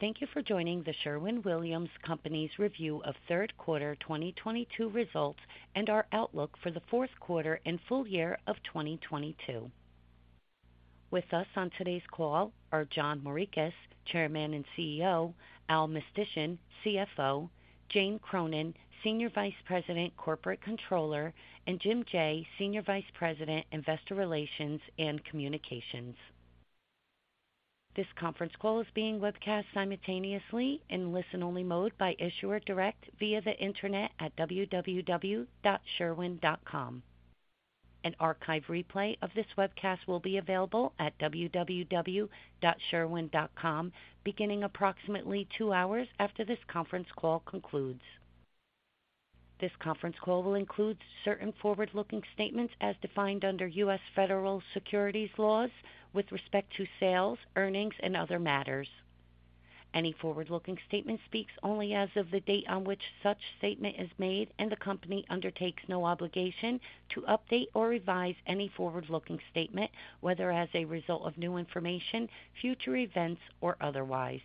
Good morning. Thank you for joining The Sherwin-Williams Company's review of third quarter 2022 results and our outlook for the fourth quarter and full year of 2022. With us on today's call are John Morikis, Chairman and CEO, Allen Mistysyn, CFO, Jane Cronin, Senior Vice President - Corporate Controller, and Jim Jaye, Senior Vice President, Investor Relations and Communications. This conference call is being webcast simultaneously in listen-only mode by Issuer Direct via the Internet at www.sherwin-williams.com. An archive replay of this webcast will be available at www.sherwin-williams.com beginning approximately two hours after this conference call concludes. This conference call will include certain forward-looking statements as defined under U.S. Federal Securities laws with respect to sales, earnings and other matters. Any forward-looking statement speaks only as of the date on which such statement is made, and the company undertakes no obligation to update or revise any forward-looking statement, whether as a result of new information, future events, or otherwise.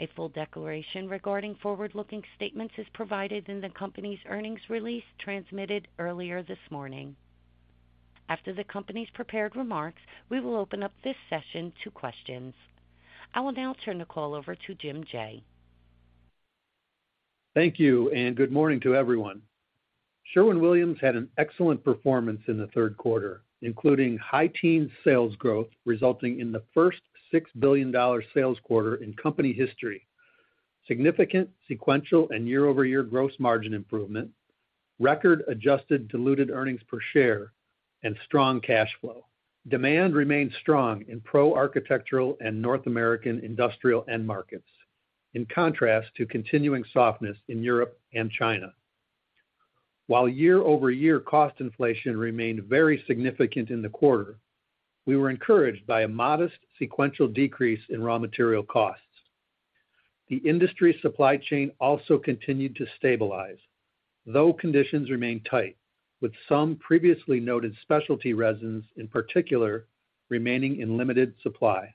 A full declaration regarding forward-looking statements is provided in the company's earnings release transmitted earlier this morning. After the company's prepared remarks, we will open up this session to questions. I will now turn the call over to Jim Jaye. Thank you and good morning to everyone. Sherwin-Williams had an excellent performance in the third quarter, including high-teens sales growth, resulting in the first $6 billion sales quarter in company history. Significant sequential and year-over-year gross margin improvement, record adjusted diluted earnings per share, and strong cash flow. Demand remained strong in pro-architectural and North American industrial end markets, in contrast to continuing softness in Europe and China. While year-over-year cost inflation remained very significant in the quarter, we were encouraged by a modest sequential decrease in raw material costs. The industry supply chain also continued to stabilize, though conditions remain tight, with some previously noted specialty resins in particular remaining in limited supply.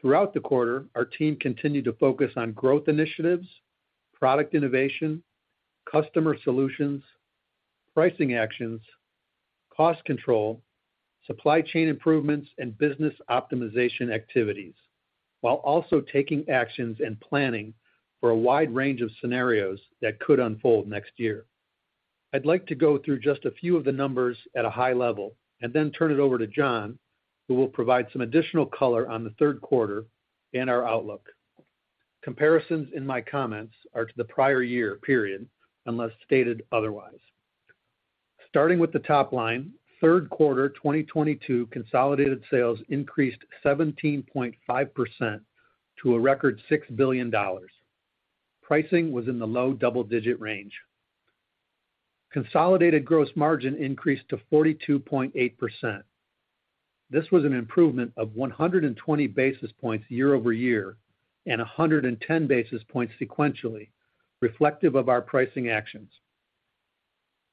Throughout the quarter, our team continued to focus on growth initiatives, product innovation, customer solutions, pricing actions, cost control, supply chain improvements, and business optimization activities, while also taking actions and planning for a wide range of scenarios that could unfold next year. I'd like to go through just a few of the numbers at a high level and then turn it over to John, who will provide some additional color on the third quarter and our outlook. Comparisons in my comments are to the prior year period, unless stated otherwise. Starting with the top line, third quarter 2022 consolidated sales increased 17.5% to a record $6 billion. Pricing was in the low double-digit range. Consolidated gross margin increased to 42.8%. This was an improvement of 120 basis points year-over-year and 110 basis points sequentially reflective of our pricing actions.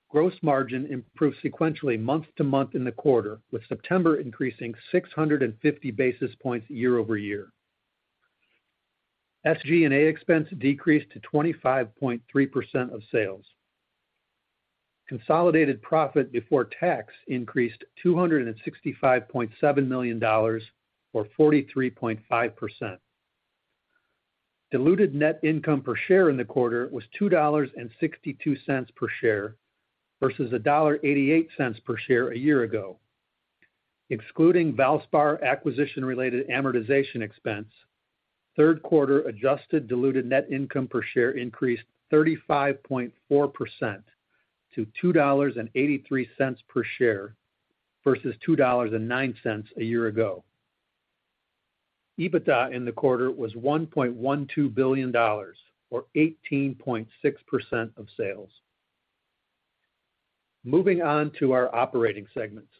Gross margin improved sequentially month-over-month in the quarter, with September increasing 650 basis points year-over-year. SG&A expense decreased to 25.3% of sales. Consolidated profit before tax increased $265.7 million or 43.5%. Diluted net income per share in the quarter was $2.62 per share versus $1.88 per share a year ago. Excluding Valspar acquisition-related amortization expense, third quarter adjusted diluted net income per share increased 35.4% to $2.83 per share versus $2.09 a year ago. EBITDA in the quarter was $1.12 billion or 18.6% of sales. Moving on to our operating segments.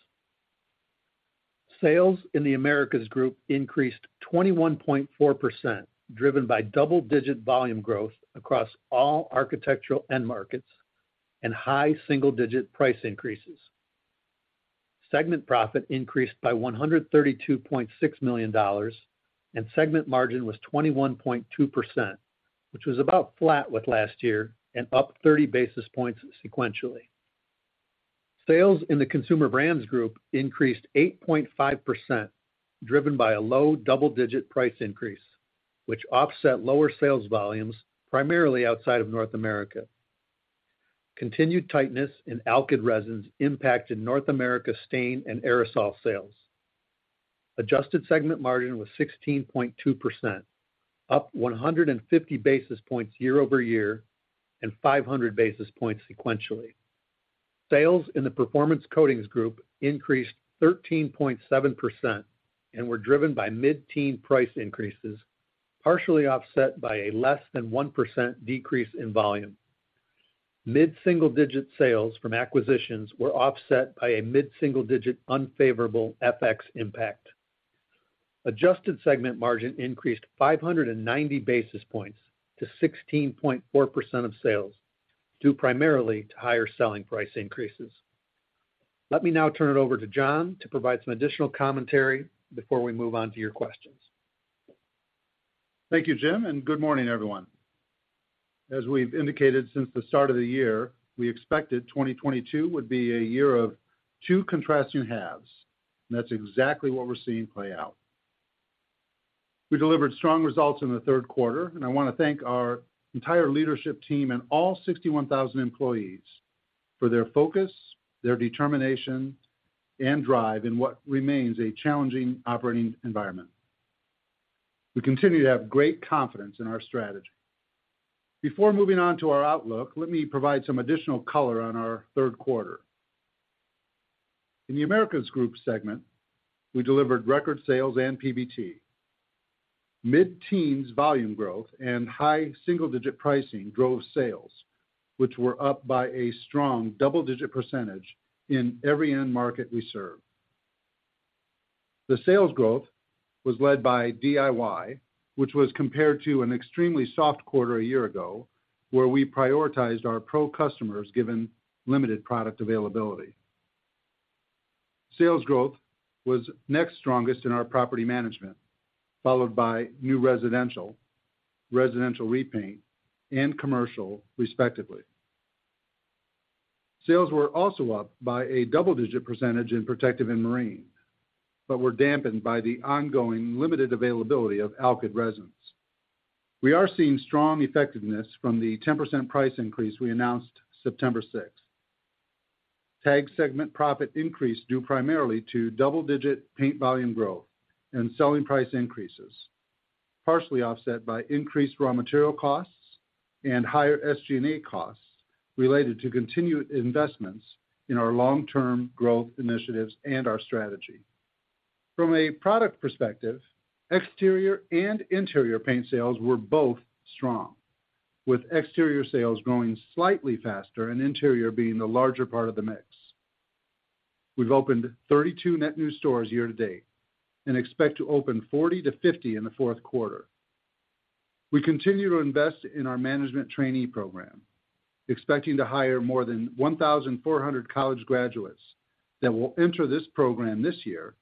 Sales in The Americas Group increased 21.4%, driven by double-digit volume growth across all architectural end markets and high single-digit price increases. Segment profit increased by $132.6 million, and segment margin was 21.2%, which was about flat with last year and up 30 basis points sequentially. Sales in the Consumer Brands Group increased 8.5%, driven by a low double-digit price increase, which offset lower sales volumes primarily outside of North America. Continued tightness in alkyd resins impacted North America stain and aerosol sales. Adjusted segment margin was 16.2%, up 150 basis points year-over-year and 500 basis points sequentially. Sales in the Performance Coatings Group increased 13.7% and were driven by mid-teen price increases, partially offset by a less than 1% decrease in volume. Mid-single-digit sales from acquisitions were offset by a mid-single-digit unfavorable FX impact. Adjusted segment margin increased 590 basis points to 16.4% of sales, due primarily to higher selling price increases. Let me now turn it over to John to provide some additional commentary before we move on to your questions. Thank you, Jim, and good morning, everyone. As we've indicated since the start of the year, we expected 2022 would be a year of two contrasting halves, and that's exactly what we're seeing play out. We delivered strong results in the third quarter, and I wanna thank our entire leadership team and all 61,000 employees for their focus, their determination, and drive in what remains a challenging operating environment. We continue to have great confidence in our strategy. Before moving on to our outlook, let me provide some additional color on our third quarter. In The Americas Group segment, we delivered record sales and PBT. Mid-teens volume growth and high single-digit pricing drove sales, which were up by a strong double-digit % in every end market we serve. The sales growth was led by DIY, which was compared to an extremely soft quarter a year ago, where we prioritized our pro customers given limited product availability. Sales growth was next strongest in our property management, followed by new residential repaint, and commercial, respectively. Sales were also up by a double-digit percentage in Protective & Marine, but were dampened by the ongoing limited availability of alkyd resins. We are seeing strong effectiveness from the 10% price increase we announced September 6th. TAG segment profit increased due primarily to double-digit paint volume growth and selling price increases, partially offset by increased raw material costs and higher SG&A costs related to continued investments in our long-term growth initiatives and our strategy. From a product perspective, exterior and interior paint sales were both strong, with exterior sales growing slightly faster and interior being the larger part of the mix. We've opened 32 net new stores year to date and expect to open 40-50 in the fourth quarter. We continue to invest in our management trainee program, expecting to hire more than 1,400 college graduates that will enter this program this year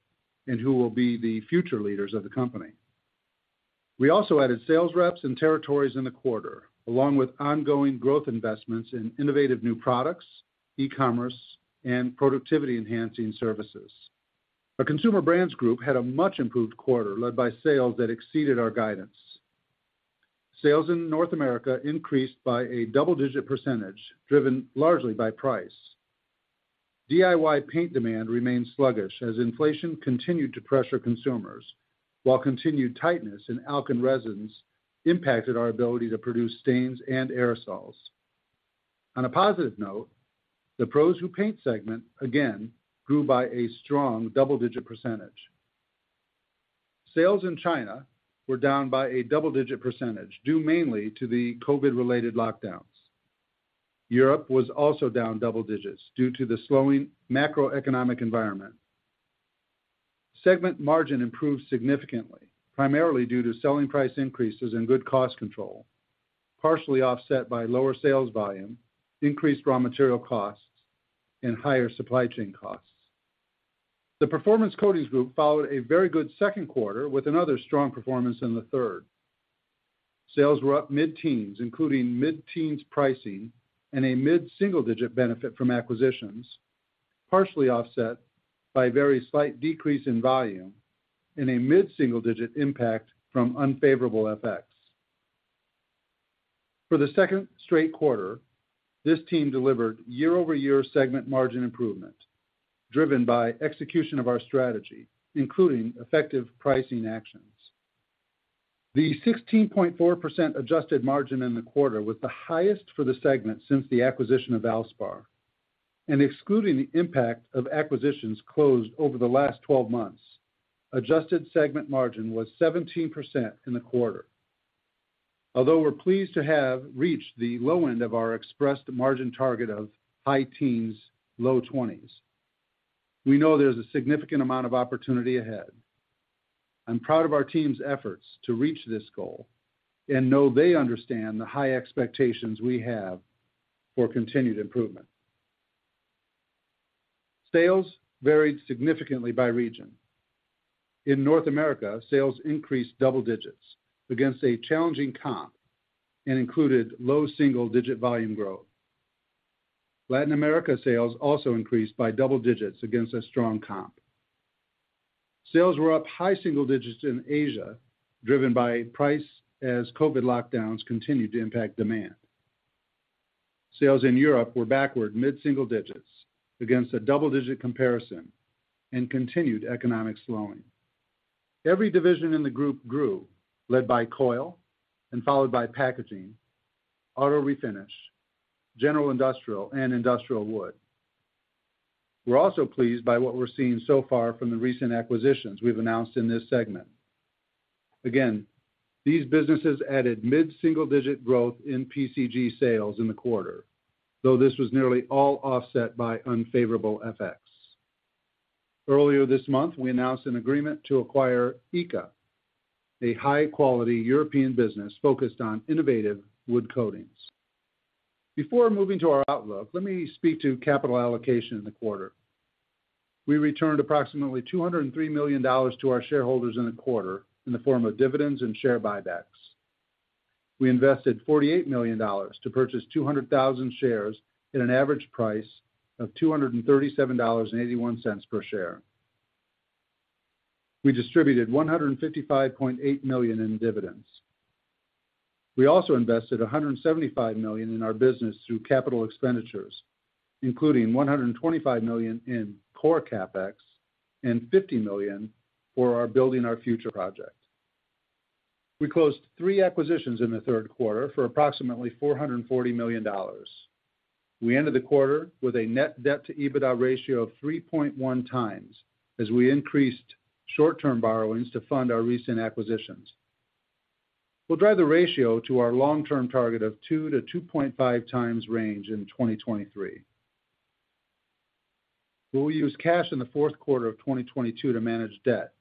and who will be the future leaders of the company. We also added sales reps and territories in the quarter, along with ongoing growth investments in innovative new products, e-commerce, and productivity-enhancing services. Our Consumer Brands Group had a much improved quarter led by sales that exceeded our guidance. Sales in North America increased by a double-digit %, driven largely by price. DIY paint demand remained sluggish as inflation continued to pressure consumers, while continued tightness in alkyd resins impacted our ability to produce stains and aerosols. On a positive note, the Pros Who Paint segment again grew by a strong double-digit %. Sales in China were down by a double-digit percentage, due mainly to the COVID-related lockdowns. Europe was also down double digits due to the slowing macroeconomic environment. Segment margin improved significantly, primarily due to selling price increases and good cost control, partially offset by lower sales volume, increased raw material costs, and higher supply chain costs. The Performance Coatings Group followed a very good second quarter with another strong performance in the third. Sales were up mid-teens%, including mid-teens% pricing and a mid-single-digit% benefit from acquisitions, partially offset by a very slight decrease in volume and a mid-single-digit% impact from unfavorable FX. For the second straight quarter, this team delivered year-over-year segment margin improvement, driven by execution of our strategy, including effective pricing actions. The 16.4% adjusted margin in the quarter was the highest for the segment since the acquisition of Valspar, and excluding the impact of acquisitions closed over the last 12 months, adjusted segment margin was 17% in the quarter. Although we're pleased to have reached the low end of our expressed margin target of high teens, low 20s, we know there's a significant amount of opportunity ahead. I'm proud of our team's efforts to reach this goal and know they understand the high expectations we have for continued improvement. Sales varied significantly by region. In North America, sales increased double digits against a challenging comp and included low single-digit volume growth. Latin America sales also increased by double digits against a strong comp. Sales were up high single digits in Asia, driven by price as COVID lockdowns continued to impact demand. Sales in Europe were down mid-single-digit% against a double-digit% comparison and continued economic slowing. Every division in the group grew, led by Coil and followed by packaging, Auto Refinish, General Industrial, and Industrial Wood. We're also pleased by what we're seeing so far from the recent acquisitions we've announced in this segment. Again, these businesses added mid-single-digit% growth in PCG sales in the quarter, though this was nearly all offset by unfavorable FX. Earlier this month, we announced an agreement to acquire ICA, a high-quality European business focused on innovative wood coatings. Before moving to our outlook, let me speak to capital allocation in the quarter. We returned approximately $203 million to our shareholders in the quarter in the form of dividends and share buybacks. We invested $48 million to purchase 200,000 shares at an average price of $237.81 per share. We distributed $155.8 million in dividends. We also invested $175 million in our business through capital expenditures, including $125 million in core CapEx and $50 million for our Building Our Future project. We closed three acquisitions in the third quarter for approximately $440 million. We ended the quarter with a net debt to EBITDA ratio of 3.1x as we increased short-term borrowings to fund our recent acquisitions. We'll drive the ratio to our long-term target of 2-2.5x range in 2023. We will use cash in the fourth quarter of 2022 to manage debt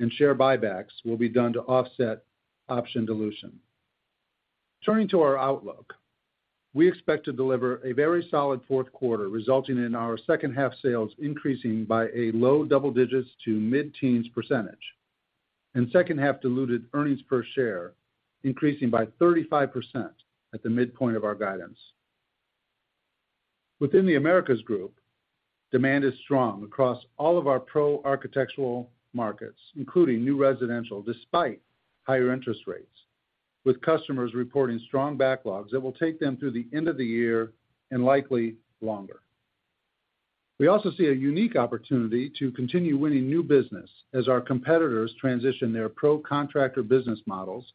and share buybacks will be done to offset option dilution. Turning to our outlook. We expect to deliver a very solid fourth quarter, resulting in our second half sales increasing by a low double-digits to mid-teens %, and second half diluted earnings per share increasing by 35% at the midpoint of our guidance. Within The Americas Group, demand is strong across all of our pro architectural markets, including new residential, despite higher interest rates, with customers reporting strong backlogs that will take them through the end of the year and likely longer. We also see a unique opportunity to continue winning new business as our competitors transition their pro contractor business models,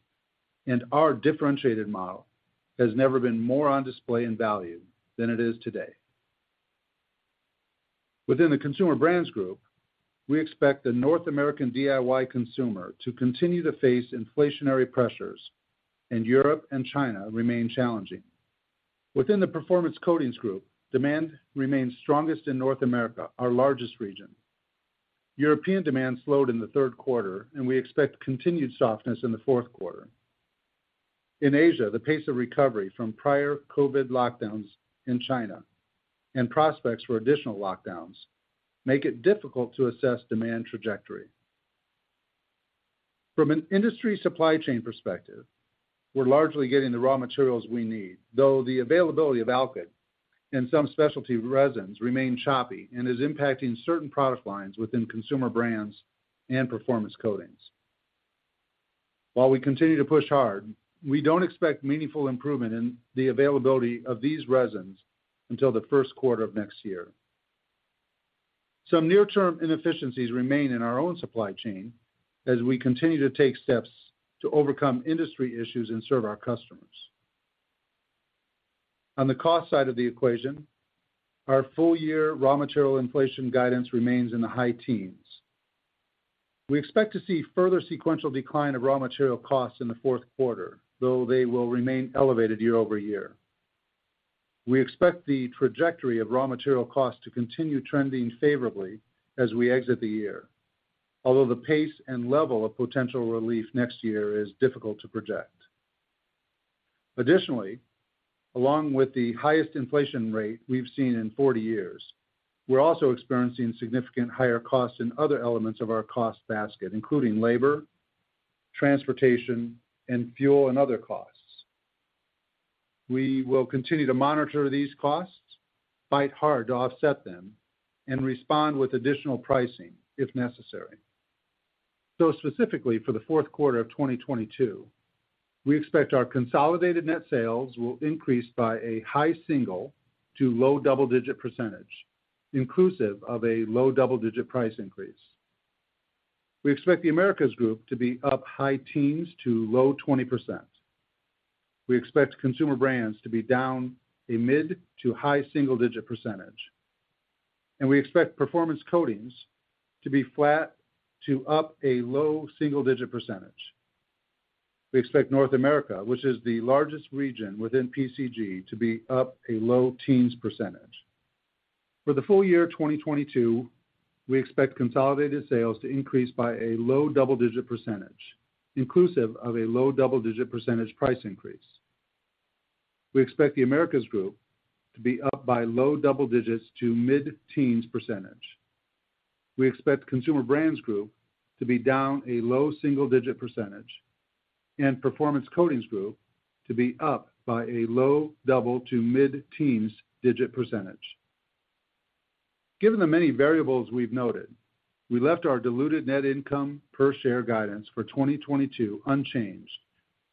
and our differentiated model has never been more on display and valued than it is today. Within the Consumer Brands Group, we expect the North American DIY consumer to continue to face inflationary pressures, and Europe and China remain challenging. Within the Performance Coatings Group, demand remains strongest in North America, our largest region. European demand slowed in the third quarter, and we expect continued softness in the fourth quarter. In Asia, the pace of recovery from prior COVID lockdowns in China and prospects for additional lockdowns make it difficult to assess demand trajectory. From an industry supply chain perspective, we're largely getting the raw materials we need, though the availability of alkyd and some specialty resins remain choppy and is impacting certain product lines within Consumer Brands and Performance Coatings. While we continue to push hard, we don't expect meaningful improvement in the availability of these resins until the first quarter of next year. Some near-term inefficiencies remain in our own supply chain as we continue to take steps to overcome industry issues and serve our customers. On the cost side of the equation, our full year raw material inflation guidance remains in the high teens. We expect to see further sequential decline of raw material costs in the fourth quarter, though they will remain elevated year-over-year. We expect the trajectory of raw material costs to continue trending favorably as we exit the year. Although the pace and level of potential relief next year is difficult to project. Additionally, along with the highest inflation rate we've seen in 40 years, we're also experiencing significant higher costs in other elements of our cost basket, including labor, transportation, and fuel, and other costs. We will continue to monitor these costs, fight hard to offset them, and respond with additional pricing if necessary. Specifically for the fourth quarter of 2022, we expect our consolidated net sales will increase by a high single- to low double-digit %, inclusive of a low double-digit % price increase. We expect The Americas Group to be up high teens to low 20%. We expect Consumer Brands Group to be down a mid- to high single-digit percentage, and we expect Performance Coatings Group to be flat to up a low single-digit percentage. We expect North America, which is the largest region within PCG, to be up a low teens percentage. For the full year 2022, we expect consolidated sales to increase by a low double-digit %, inclusive of a low double-digit % price increase. We expect The Americas Group to be up by low double-digits to mid-teens %. We expect Consumer Brands Group to be down a low single-digit percentage and Performance Coatings Group to be up by a low double- to mid-teens-digit percentage. Given the many variables we've noted, we left our diluted net income per share guidance for 2022 unchanged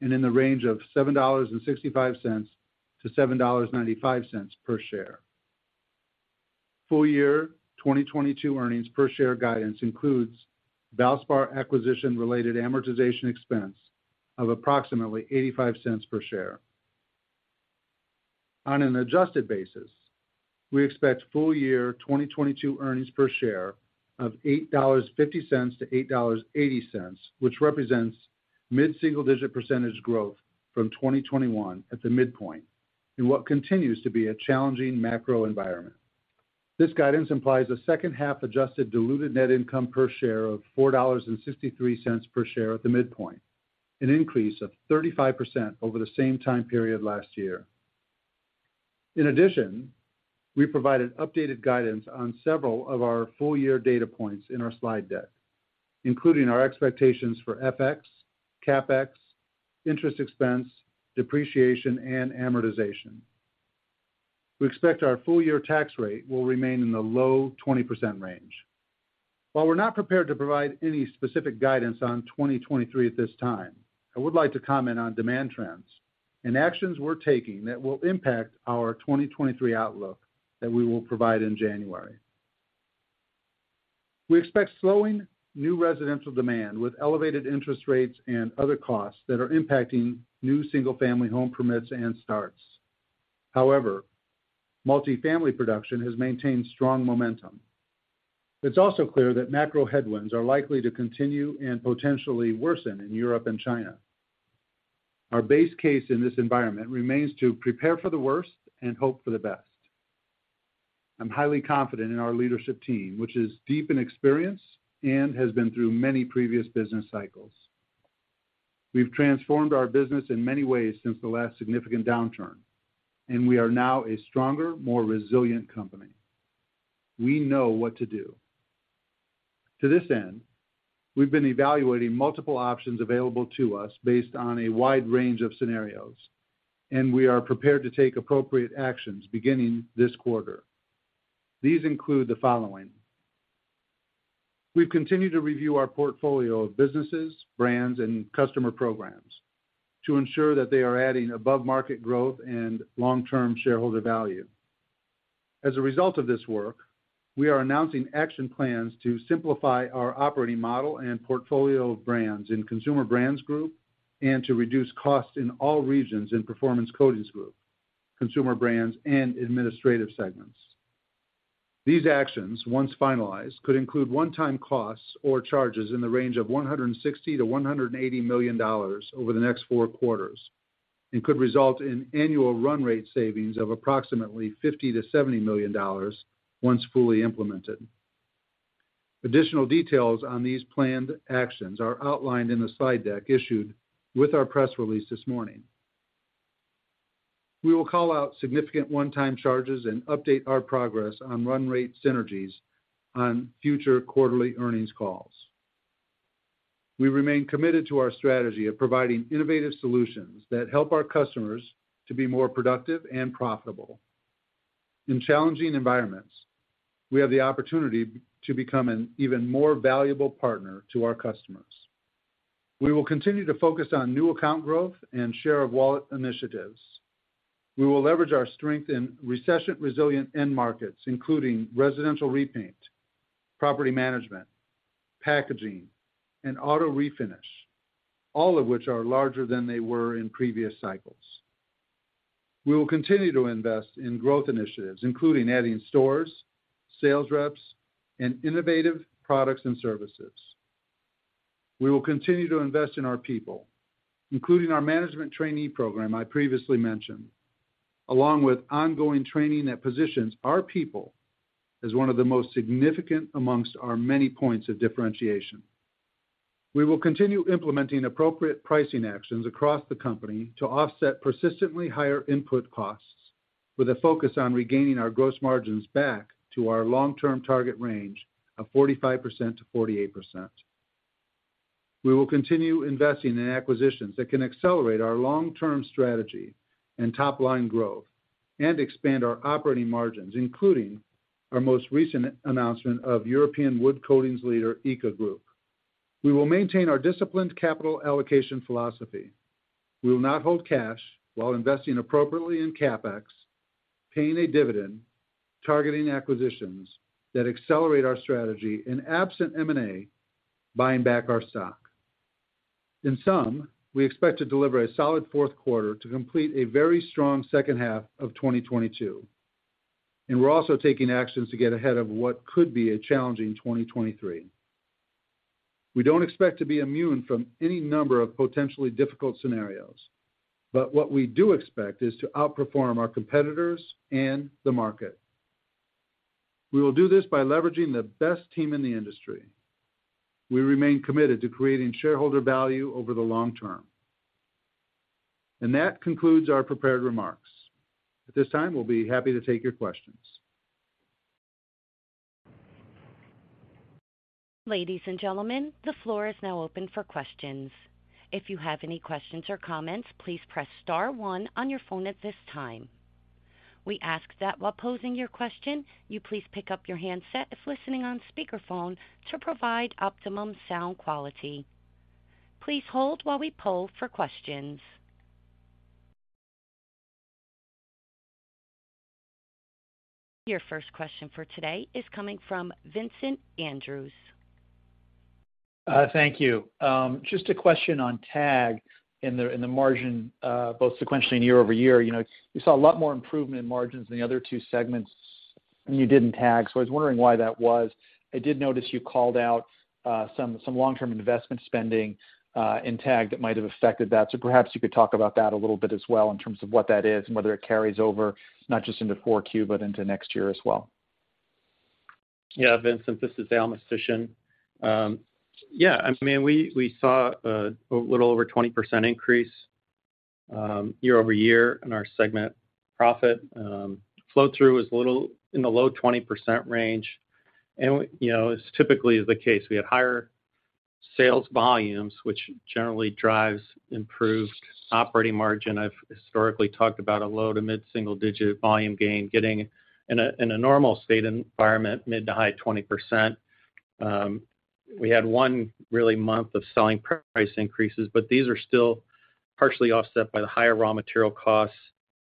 and in the range of $7.65 to $7.95 per share. Full-year 2022 earnings per share guidance includes Valspar acquisition-related amortization expense of approximately $0.85 per share. On an adjusted basis, we expect full-year 2022 earnings per share of $8.50-$8.80, which represents mid-single-digit % growth from 2021 at the midpoint. In what continues to be a challenging macro environment. This guidance implies a second-half adjusted diluted net income per share of $4.63 per share at the midpoint, an increase of 35% over the same time period last year. In addition, we provided updated guidance on several of our full-year data points in our slide deck, including our expectations for FX, CapEx, interest expense, depreciation and amortization. We expect our full-year tax rate will remain in the low 20% range. While we're not prepared to provide any specific guidance on 2023 at this time, I would like to comment on demand trends and actions we're taking that will impact our 2023 outlook that we will provide in January. We expect slowing new residential demand with elevated interest rates and other costs that are impacting new single-family home permits and starts. However, multifamily production has maintained strong momentum. It's also clear that macro headwinds are likely to continue and potentially worsen in Europe and China. Our base case in this environment remains to prepare for the worst and hope for the best. I'm highly confident in our leadership team, which is deep in experience and has been through many previous business cycles. We've transformed our business in many ways since the last significant downturn, and we are now a stronger, more resilient company. We know what to do. To this end, we've been evaluating multiple options available to us based on a wide range of scenarios, and we are prepared to take appropriate actions beginning this quarter. These include the following. We've continued to review our portfolio of businesses, brands, and customer programs to ensure that they are adding above-market growth and long-term shareholder value. As a result of this work, we are announcing action plans to simplify our operating model and portfolio of brands in Consumer Brands Group and to reduce costs in all regions in Performance Coatings Group, Consumer Brands and administrative segments. These actions, once finalized, could include one-time costs or charges in the range of $160 million-$180 million over the next four quarters and could result in annual run rate savings of approximately $50 million-$70 million once fully implemented. Additional details on these planned actions are outlined in the slide deck issued with our press release this morning. We will call out significant one-time charges and update our progress on run rate synergies on future quarterly earnings calls. We remain committed to our strategy of providing innovative solutions that help our customers to be more productive and profitable. In challenging environments, we have the opportunity to become an even more valuable partner to our customers. We will continue to focus on new account growth and share of wallet initiatives. We will leverage our strength in recession-resilient end markets, including residential repaint, property management, Packaging, and Auto Refinish, all of which are larger than they were in previous cycles. We will continue to invest in growth initiatives, including adding stores, sales reps, and innovative products and services. We will continue to invest in our people, including our management trainee program I previously mentioned, along with ongoing training that positions our people as one of the most significant amongst our many points of differentiation. We will continue implementing appropriate pricing actions across the company to offset persistently higher input costs with a focus on regaining our gross margins back to our long-term target range of 45%-48%. We will continue investing in acquisitions that can accelerate our long-term strategy and top line growth and expand our operating margins, including our most recent announcement of European wood coatings leader, ICA Group. We will maintain our disciplined capital allocation philosophy. We will not hold cash while investing appropriately in CapEx, paying a dividend, targeting acquisitions that accelerate our strategy and absent M&A, buying back our stock. In sum, we expect to deliver a solid fourth quarter to complete a very strong second half of 2022, and we're also taking actions to get ahead of what could be a challenging 2023. We don't expect to be immune from any number of potentially difficult scenarios, but what we do expect is to outperform our competitors and the market. We will do this by leveraging the best team in the industry. We remain committed to creating shareholder value over the long term. That concludes our prepared remarks. At this time, we'll be happy to take your questions. Ladies and gentlemen, the floor is now open for questions. If you have any questions or comments, please press star one on your phone at this time. We ask that while posing your question, you please pick up your handset if listening on speakerphone to provide optimum sound quality. Please hold while we poll for questions. Your first question for today is coming from Vincent Andrews. Thank you. Just a question on TAG in the margin, both sequentially and year-over-year. You know, we saw a lot more improvement in margins than the other two segments. You did in TAG. I was wondering why that was. I did notice you called out some long-term investment spending in TAG that might have affected that. Perhaps you could talk about that a little bit as well in terms of what that is and whether it carries over, not just into 4Q, but into next year as well. Yeah, Vincent, this is Allen Mistysyn. I mean, we saw a little over 20% increase year-over-year in our segment profit. Flow-through was a little in the low 20% range. You know, as is typically the case, we had higher sales volumes, which generally drives improved operating margin. I've historically talked about a low- to mid-single-digit volume gain getting in a normal steady-state environment, mid- to high 20%. We had one month of selling price increases, but these are still partially offset by the higher raw material costs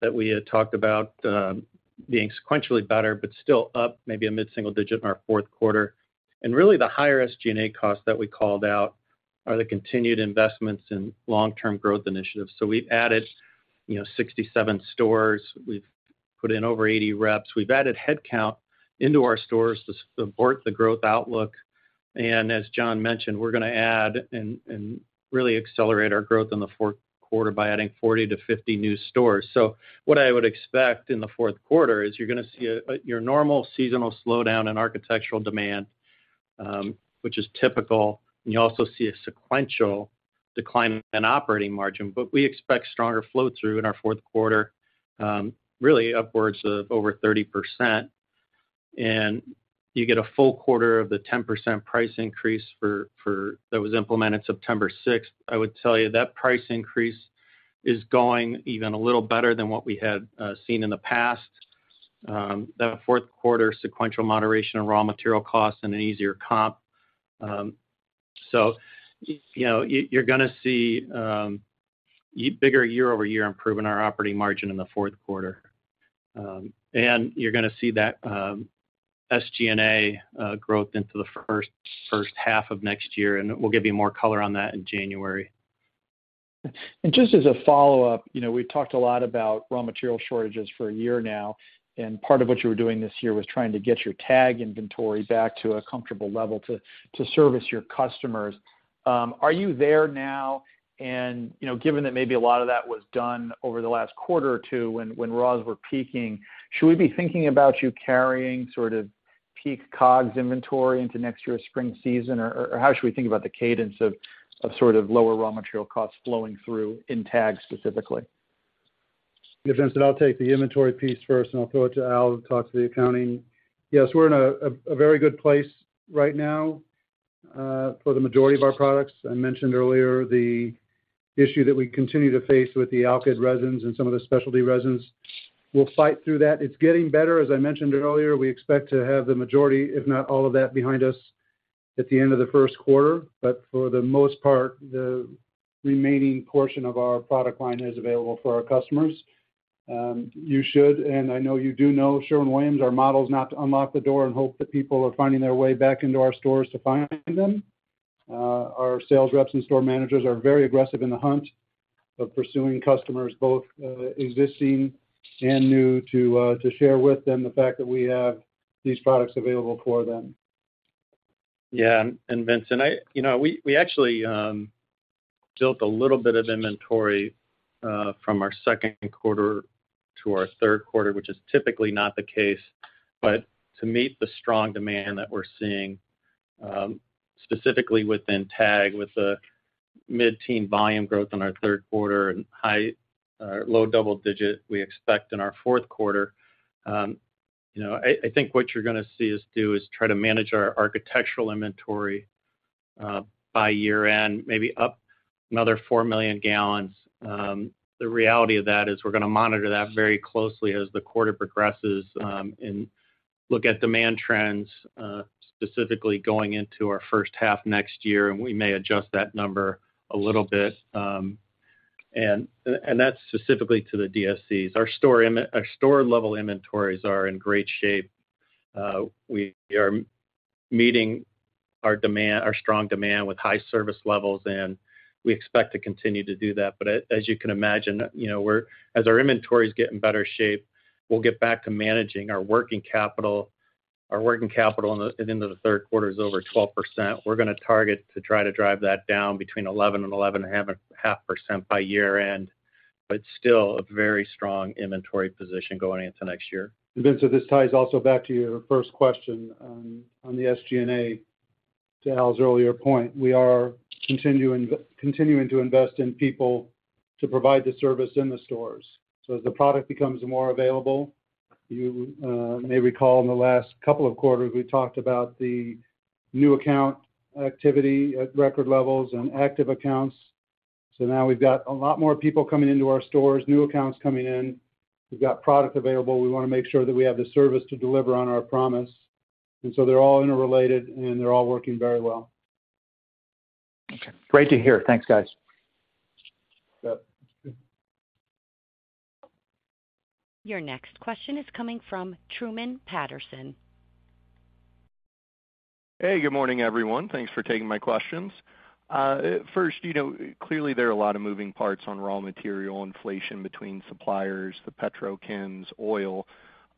that we had talked about, being sequentially better, but still up maybe a mid-single-digit in our fourth quarter. Really, the higher SG&A costs that we called out are the continued investments in long-term growth initiatives. We've added, you know, 67 stores. We've put in over 80 reps. We've added headcount into our stores to support the growth outlook. As John mentioned, we're gonna add and really accelerate our growth in the fourth quarter by adding 40-50 new stores. What I would expect in the fourth quarter is you're gonna see your normal seasonal slowdown in architectural demand, which is typical, and you also see a sequential decline in operating margin. We expect stronger flow-through in our fourth quarter, really upwards of over 30%. You get a full quarter of the 10% price increase that was implemented September 6th. I would tell you that price increase is going even a little better than what we had seen in the past. That fourth quarter sequential moderation of raw material costs and an easier comp. you know, you're gonna see bigger year-over-year improvement in our operating margin in the fourth quarter. You're gonna see that SG&A growth into the first half of next year, and we'll give you more color on that in January. Just as a follow-up, you know, we've talked a lot about raw material shortages for a year now, and part of what you were doing this year was trying to get your TAG inventory back to a comfortable level to service your customers. Are you there now? You know, given that maybe a lot of that was done over the last quarter or two when raws were peaking, should we be thinking about you carrying sort of peak COGS inventory into next year's spring season? Or how should we think about the cadence of sort of lower raw material costs flowing through in TAG specifically? Yeah, Vincent, I'll take the inventory piece first, and I'll throw it to Al to talk to the accounting. Yes, we're in a very good place right now for the majority of our products. I mentioned earlier the issue that we continue to face with the alkyd resins and some of the specialty resins. We'll fight through that. It's getting better. As I mentioned earlier, we expect to have the majority, if not all of that behind us at the end of the first quarter. But for the most part, the remaining portion of our product line is available for our customers. You should, and I know you do know Sherwin-Williams, our model is not to unlock the door and hope that people are finding their way back into our stores to find them. Our sales reps and store managers are very aggressive in the hunt of pursuing customers, both existing and new, to share with them the fact that we have these products available for them. Yeah. Vincent, you know, we actually built a little bit of inventory from our second quarter to our third quarter, which is typically not the case. But to meet the strong demand that we're seeing, specifically within TAG with the mid-teen volume growth in our third quarter and low double digit we expect in our fourth quarter. You know, I think what you're gonna see us do is try to manage our architectural inventory by year-end, maybe up another 4 million gallons. The reality of that is we're gonna monitor that very closely as the quarter progresses, and look at demand trends, specifically going into our first half next year, and we may adjust that number a little bit. That's specifically to the DSCs. Our store level inventories are in great shape. We are meeting our demand, our strong demand with high service levels, and we expect to continue to do that. As you can imagine, you know, as our inventories get in better shape, we'll get back to managing our working capital. Our working capital in the third quarter is over 12%. We're gonna target to try to drive that down between 11% and 11.5% by year-end, but still a very strong inventory position going into next year. Vincent, this ties also back to your first question on the SG&A. To Al's earlier point, we are continuing to invest in people to provide the service in the stores. As the product becomes more available, you may recall in the last couple of quarters, we talked about the new account activity at record levels and active accounts. Now we've got a lot more people coming into our stores, new accounts coming in. We've got product available. We wanna make sure that we have the service to deliver on our promise. They're all interrelated, and they're all working very well. Okay. Great to hear. Thanks, guys. Yep. Your next question is coming from Truman Patterson. Hey, good morning, everyone. Thanks for taking my questions. First, you know, clearly, there are a lot of moving parts on raw material inflation between suppliers, the petrochemicals, oil.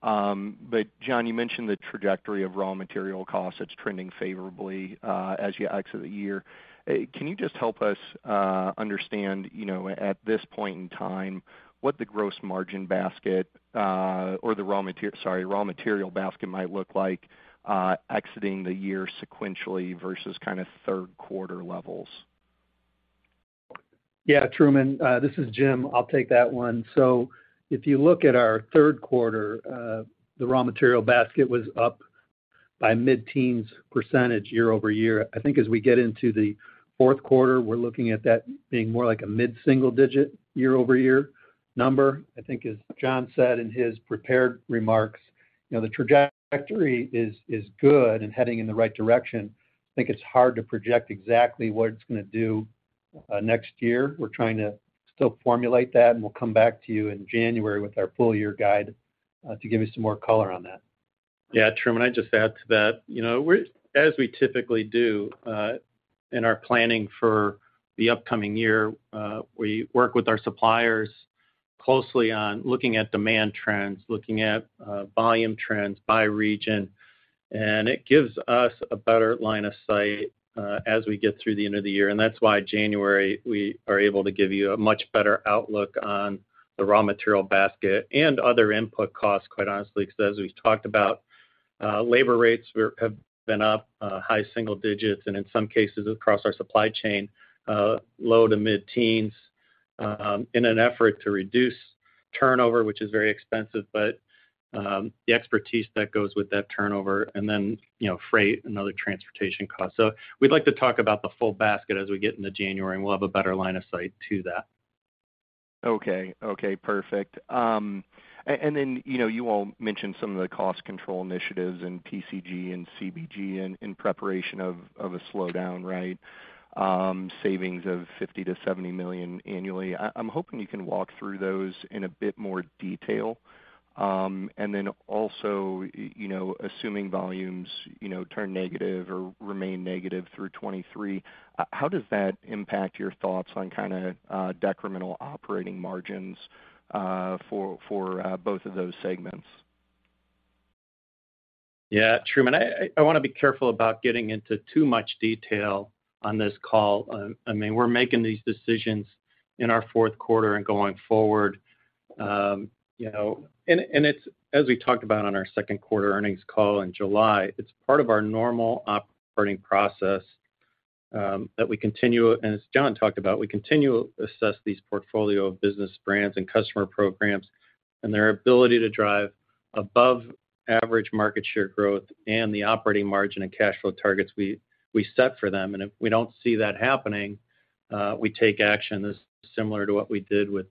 John, you mentioned the trajectory of raw material costs that's trending favorably as you exit the year. Can you just help us understand, you know, at this point in time, what the gross margin basket or the raw material basket might look like exiting the year sequentially versus kind of third quarter levels? Yeah, Truman, this is Jim. I'll take that one. If you look at our third quarter, the raw material basket was up by mid-teens % year-over-year. I think as we get into the fourth quarter, we're looking at that being more like a mid-single-digit % year-over-year number. I think as John said in his prepared remarks, you know, the trajectory is good and heading in the right direction. I think it's hard to project exactly what it's gonna do next year. We're trying to still formulate that, and we'll come back to you in January with our full year guide to give you some more color on that. Yeah, Truman, I'd just add to that. You know, we're, as we typically do, in our planning for the upcoming year, we work with our suppliers closely on looking at demand trends, looking at volume trends by region, and it gives us a better line of sight as we get through the end of the year. That's why in January, we are able to give you a much better outlook on the raw material basket and other input costs, quite honestly, because as we've talked about, labor rates have been up high single digits, and in some cases across our supply chain, low to mid-teens, in an effort to reduce turnover, which is very expensive, but the expertise that goes with that turnover and then, you know, freight and other transportation costs. We'd like to talk about the full basket as we get into January, and we'll have a better line of sight to that. Okay, perfect. And then you all mentioned some of the cost control initiatives in PCG and CPG in preparation for a slowdown, right? Savings of $50 million-$70 million annually. I'm hoping you can walk through those in a bit more detail. And then also, you know, assuming volumes you know turn negative or remain negative through 2023, how does that impact your thoughts on kind of decremental operating margins for both of those segments? Yeah, Truman, I wanna be careful about getting into too much detail on this call. I mean, we're making these decisions in our fourth quarter and going forward. It's as we talked about on our second quarter earnings call in July, it's part of our normal operating process that we continue, and as John talked about, we continue to assess these portfolio of business brands and customer programs and their ability to drive above average market share growth and the operating margin and cash flow targets we set for them. If we don't see that happening, we take action. This is similar to what we did with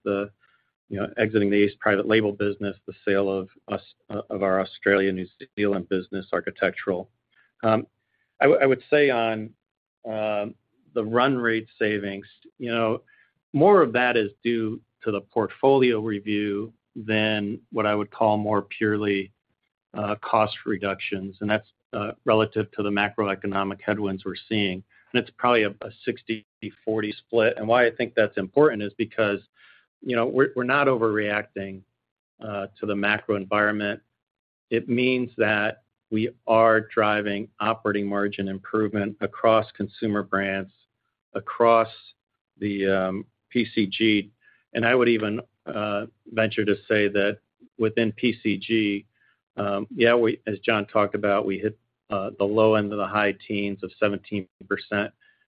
exiting the Ace private label business, the sale of our Australia/New Zealand architectural business. I would say on the run rate savings, you know, more of that is due to the portfolio review than what I would call more purely cost reductions, and that's relative to the macroeconomic headwinds we're seeing. It's probably a 60/40 split. Why I think that's important is because, you know, we're not overreacting to the macro environment. It means that we are driving operating margin improvement across consumer brands, across the PCG. I would even venture to say that within PCG, yeah, as John talked about, we hit the low end of the high teens of 17%.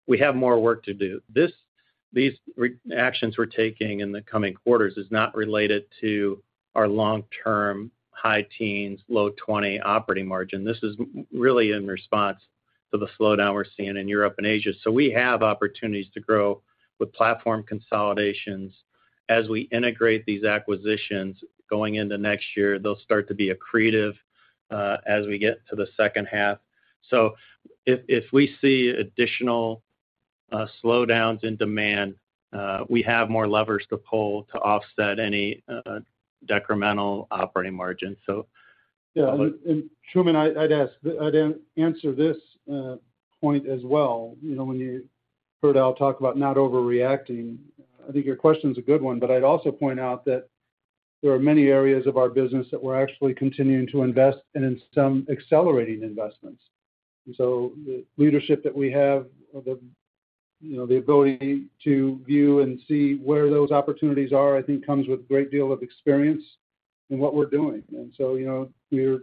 We have more work to do. These actions we're taking in the coming quarters is not related to our long-term high teens, low 20 operating margin. This is really in response to the slowdown we're seeing in Europe and Asia. We have opportunities to grow with platform consolidations. As we integrate these acquisitions going into next year, they'll start to be accretive as we get to the second half. If we see additional slowdowns in demand, we have more levers to pull to offset any decremental operating margin. Yeah, Truman, I'd answer this point as well. You know, when you heard Al talk about not overreacting, I think your question's a good one, but I'd also point out that there are many areas of our business that we're actually continuing to invest in, some accelerating investments. The leadership that we have, you know, the ability to view and see where those opportunities are, I think comes with a great deal of experience in what we're doing. You know, we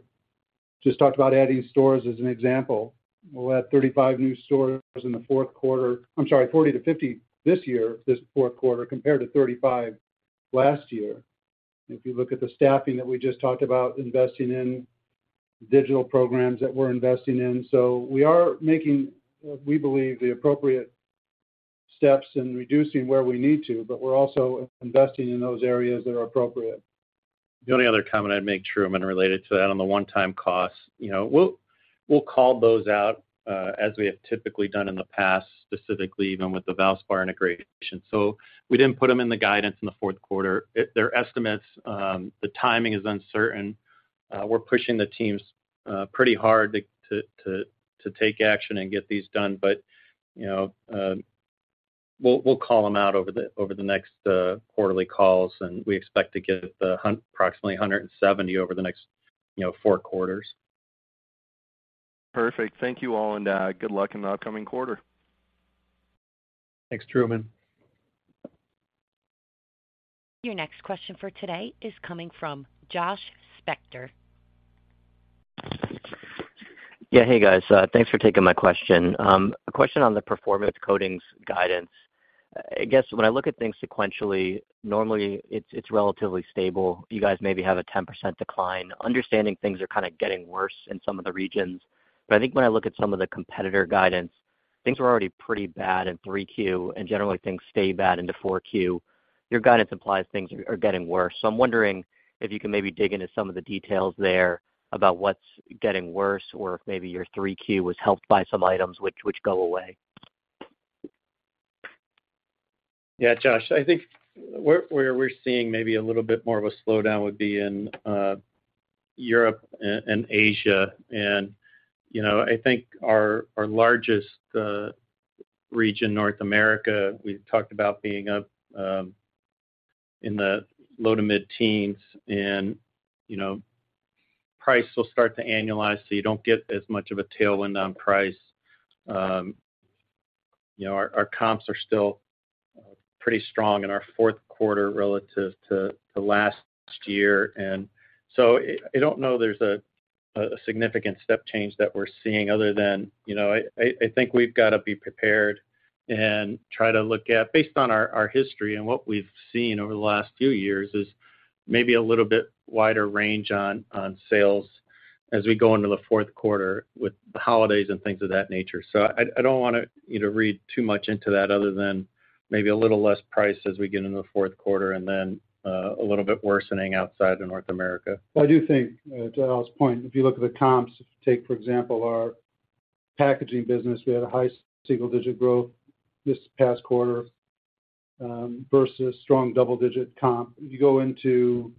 just talked about adding stores as an example. We'll add 35 new stores in the fourth quarter. I'm sorry, 40-50 this year, this fourth quarter, compared to 35 last year. If you look at the staffing that we just talked about investing in, digital programs that we're investing in. We are making, we believe, the appropriate steps in reducing where we need to, but we're also investing in those areas that are appropriate. The only other comment I'd make, Truman, related to that on the one-time cost, you know, we'll call those out as we have typically done in the past, specifically even with the Valspar integration. We didn't put them in the guidance in the fourth quarter. If they're estimates, the timing is uncertain. We're pushing the teams pretty hard to take action and get these done. You know, we'll call them out over the next quarterly calls, and we expect to get approximately $170 over the next four quarters. Perfect. Thank you all, and good luck in the upcoming quarter. Thanks, Truman. Your next question for today is coming from Joshua Spector. Yeah. Hey, guys. Thanks for taking my question. A question on the Performance Coatings guidance. I guess when I look at things sequentially, normally it's relatively stable. You guys maybe have a 10% decline. Understanding things are kind of getting worse in some of the regions, but I think when I look at some of the competitor guidance, things were already pretty bad in 3Q, and generally things stay bad into 4Q. Your guidance implies things are getting worse. I'm wondering if you can maybe dig into some of the details there about what's getting worse or if maybe your 3Q was helped by some items which go away. Yeah, Josh. I think where we're seeing maybe a little bit more of a slowdown would be in Europe and Asia. You know, I think our largest region, North America, we talked about being up in the low to mid-teens. You know, price will start to annualize, so you don't get as much of a tailwind on price. You know, our comps are still pretty strong in our fourth quarter relative to last year. I don't know there's a significant step change that we're seeing other than. You know, I think we've gotta be prepared and try to look at, based on our history and what we've seen over the last few years, maybe a little bit wider range on sales as we go into the fourth quarter with the holidays and things of that nature. I don't wanna, you know, read too much into that other than maybe a little less price as we get into the fourth quarter and then a little bit worsening outside of North America. Well, I do think to Al's point, if you look at the comps, if you take, for example, our Packaging business, we had high single-digit growth this past quarter versus strong double-digit comp. If you go into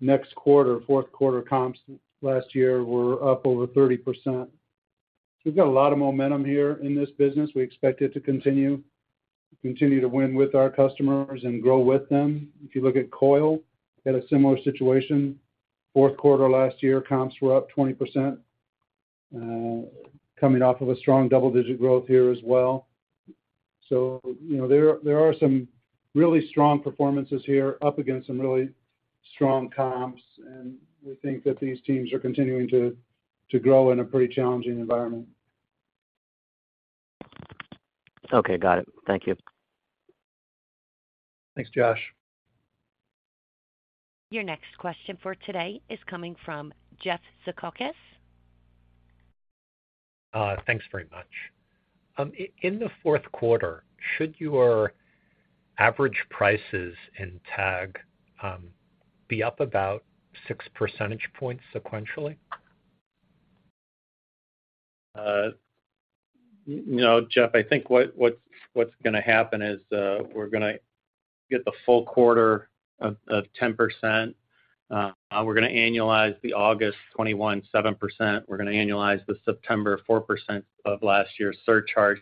next quarter, fourth quarter comps last year were up over 30%. We've got a lot of momentum here in this business. We expect it to continue to win with our customers and grow with them. If you look at Coil, we had a similar situation. Fourth quarter last year, comps were up 20%, coming off of strong double-digit growth here as well. You know, there are some really strong performances here up against some really strong comps, and we think that these teams are continuing to grow in a pretty challenging environment. Okay. Got it. Thank you. Thanks, Josh. Your next question for today is coming from Jeffrey J. Zekauskas. Thanks very much. In the fourth quarter, should your average prices in TAG be up about 6 percentage points sequentially? You know, Jeff, I think what's gonna happen is, we're gonna get the full quarter of 10%. We're gonna annualize the August 21 7%. We're gonna annualize the September 4% of last year's surcharge.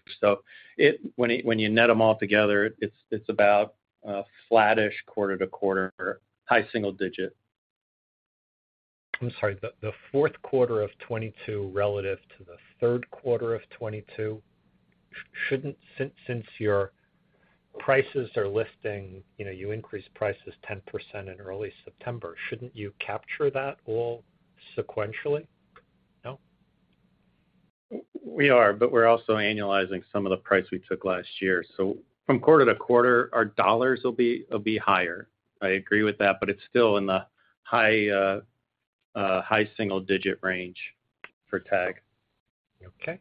When you net them all together, it's about flattish quarter-over-quarter, high single-digit. I'm sorry. The fourth quarter of 2022 relative to the third quarter of 2022, since your prices are lifting, you know, you increased prices 10% in early September, shouldn't you capture that all sequentially? No? We are, but we're also annualizing some of the price we took last year. From quarter to quarter, our dollars will be higher. I agree with that, but it's still in the high single digit range for TAG. Okay.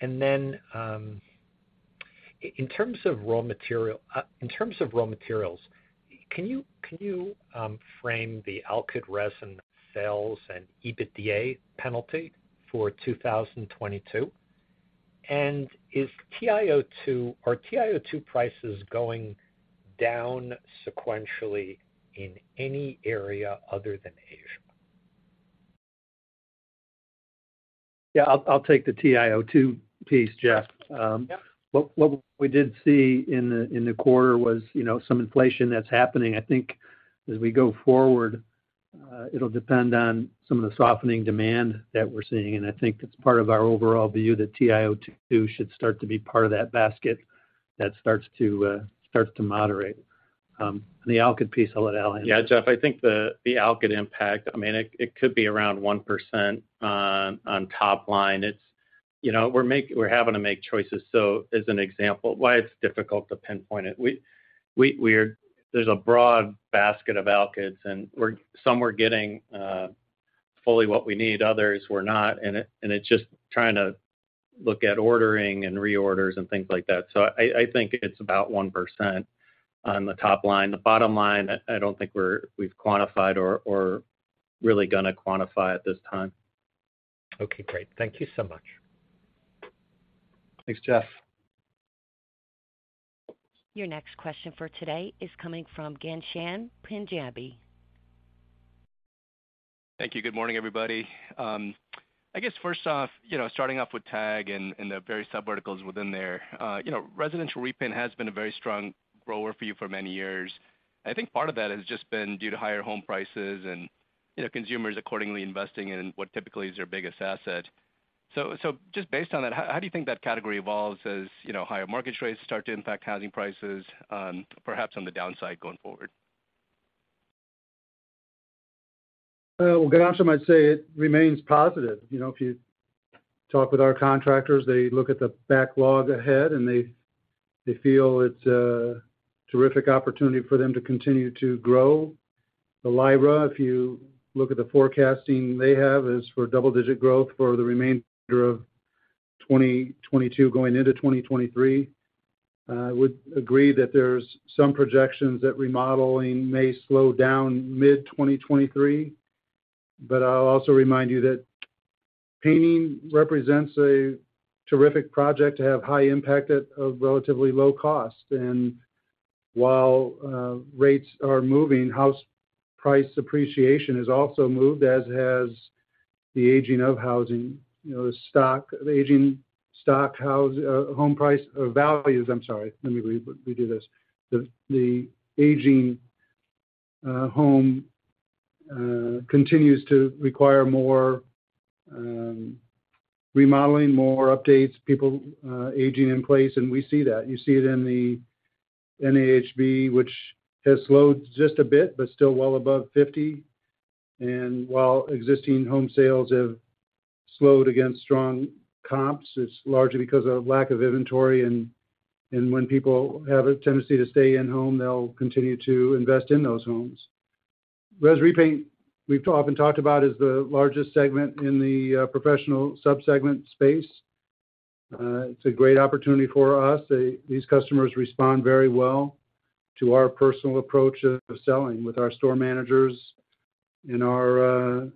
In terms of raw materials, can you frame the alkyd resin sales and EBITDA penalty for 2022? Are TiO2 prices going down sequentially in any area other than Asia? Yeah. I'll take the TiO2 piece, Jeffrey. Yeah. What we did see in the quarter was, you know, some inflation that's happening. I think as we go forward, it'll depend on some of the softening demand that we're seeing, and I think that's part of our overall view that TiO2 should start to be part of that basket that starts to moderate. The alkyd piece, I'll let Al answer. Yeah. Jeff, I think the alkyd impact, I mean, it could be around 1% on top line. It's. You know, we're having to make choices. As an example, why it's difficult to pinpoint it, there's a broad basket of alkyds, and some were getting fully what we need, others were not, and it's just trying to look at ordering and reorders and things like that. I think it's about 1% on the top line. The bottom line, I don't think we've quantified or really gonna quantify at this time. Okay. Great. Thank you so much. Thanks, Jeff. Your next question for today is coming from Ghansham Panjabi. Thank you. Good morning, everybody. I guess first off, you know, starting off with TAG and the very subverticals within there, you know, residential repaint has been a very strong grower for you for many years. I think part of that has just been due to higher home prices and, you know, consumers accordingly investing in what typically is their biggest asset. Just based on that, how do you think that category evolves as, you know, higher market rates start to impact housing prices, perhaps on the downside going forward? Well, Ghansham Panjabi, I'd say it remains positive. You know, if you talk with our contractors, they look at the backlog ahead, and they feel it's a terrific opportunity for them to continue to grow. LIRA, if you look at the forecasting they have, is for double-digit growth for the remainder of 2022 going into 2023. I would agree that there's some projections that remodeling may slow down mid-2023, but I'll also remind you that painting represents a terrific project to have high impact at a relatively low cost. While rates are moving, house price appreciation has also moved, as has the aging of housing. The aging home continues to require more remodeling, more updates, people aging in place, and we see that. You see it in the NAHB, which has slowed just a bit, but still well above 50. While existing home sales have slowed against strong comps, it's largely because of lack of inventory, and when people have a tendency to stay in home, they'll continue to invest in those homes. Res repaint, we've often talked about, is the largest segment in the professional sub-segment space. It's a great opportunity for us. These customers respond very well to our personal approach of selling with our store managers and our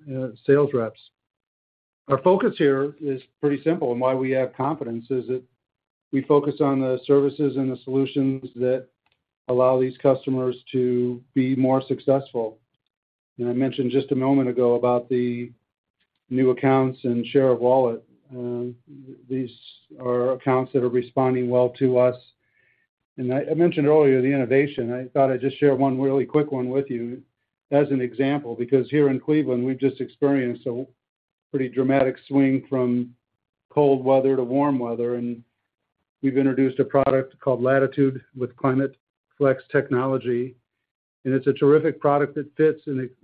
sales reps. Our focus here is pretty simple, and why we have confidence is that we focus on the services and the solutions that allow these customers to be more success. I mentioned just a moment ago about the new accounts and share of wallet. These are accounts that are responding well to us. I mentioned earlier the innovation. I thought I'd just share one really quick one with you as an example, because here in Cleveland, we've just experienced a pretty dramatic swing from cold weather to warm weather, and we've introduced a product called Latitude with ClimateFlex Technology. It's a terrific product that fits, and it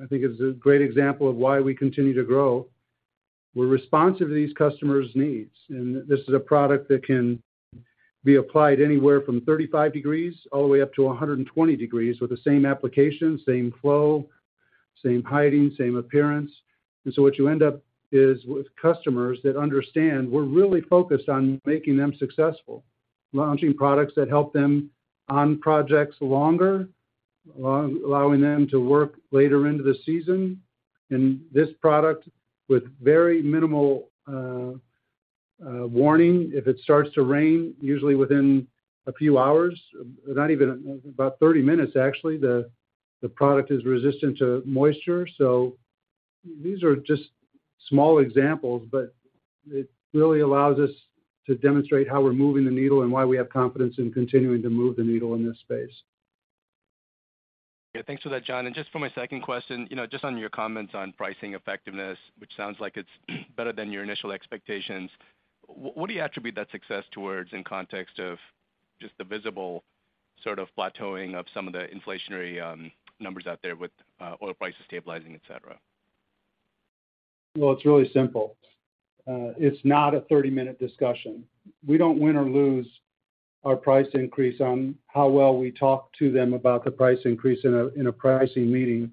I think it's a great example of why we continue to grow. We're responsive to these customers' needs, and this is a product that can be applied anywhere from 35 degrees all the way up to 120 degrees with the same application, same flow, same hiding, same appearance. What you end up with is customers that understand we're really focused on making them successful, launching products that help them on projects longer, allowing them to work later into the season. This product, with very minimal warning, if it starts to rain, usually within a few hours, not even about 30 minutes, actually, the product is resistant to moisture. These are just small examples, but it really allows us to demonstrate how we're moving the needle and why we have confidence in continuing to move the needle in this space. Yeah, thanks for that, John. Just for my second question, you know, just on your comments on pricing effectiveness, which sounds like it's better than your initial expectations. What do you attribute that success towards in context of just the visible sort of plateauing of some of the inflationary numbers out there with oil prices stabilizing, et cetera? Well, it's really simple. It's not a thirty-minute discussion. We don't win or lose our price increase on how well we talk to them about the price increase in a pricing meeting.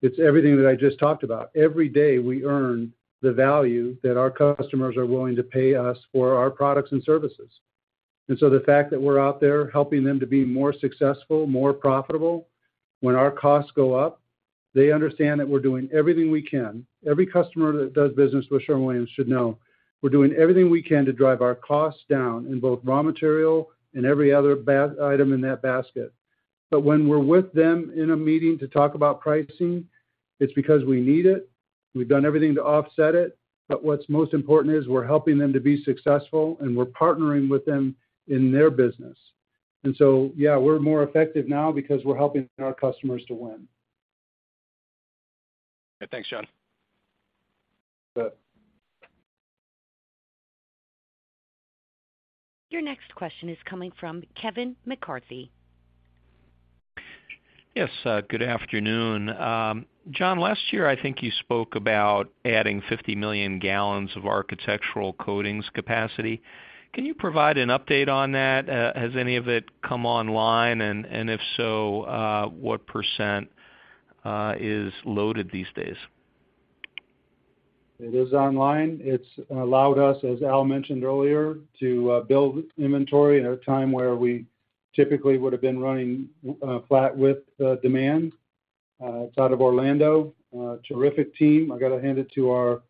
It's everything that I just talked about. Every day, we earn the value that our customers are willing to pay us for our products and services. So the fact that we're out there helping them to be more successful, more profitable, when our costs go up, they understand that we're doing everything we can. Every customer that does business with Sherwin-Williams should know we're doing everything we can to drive our costs down in both raw material and every other item in that basket. When we're with them in a meeting to talk about pricing, it's because we need it. We've done everything to offset it. What's most important is we're helping them to be successful, and we're partnering with them in their business. Yeah, we're more effective now because we're helping our customers to win. Thanks, John. You bet. Your next question is coming from Kevin McCarthy. Yes, good afternoon. John, last year, I think you spoke about adding 50 million gallons of architectural coatings capacity. Can you provide an update on that? Has any of it come online? If so, what % is loaded these days? It is online. It's allowed us, as Al mentioned earlier, to build inventory in a time where we typically would have been running flat with the demand. It's out of Orlando. Terrific team. I got to hand it to our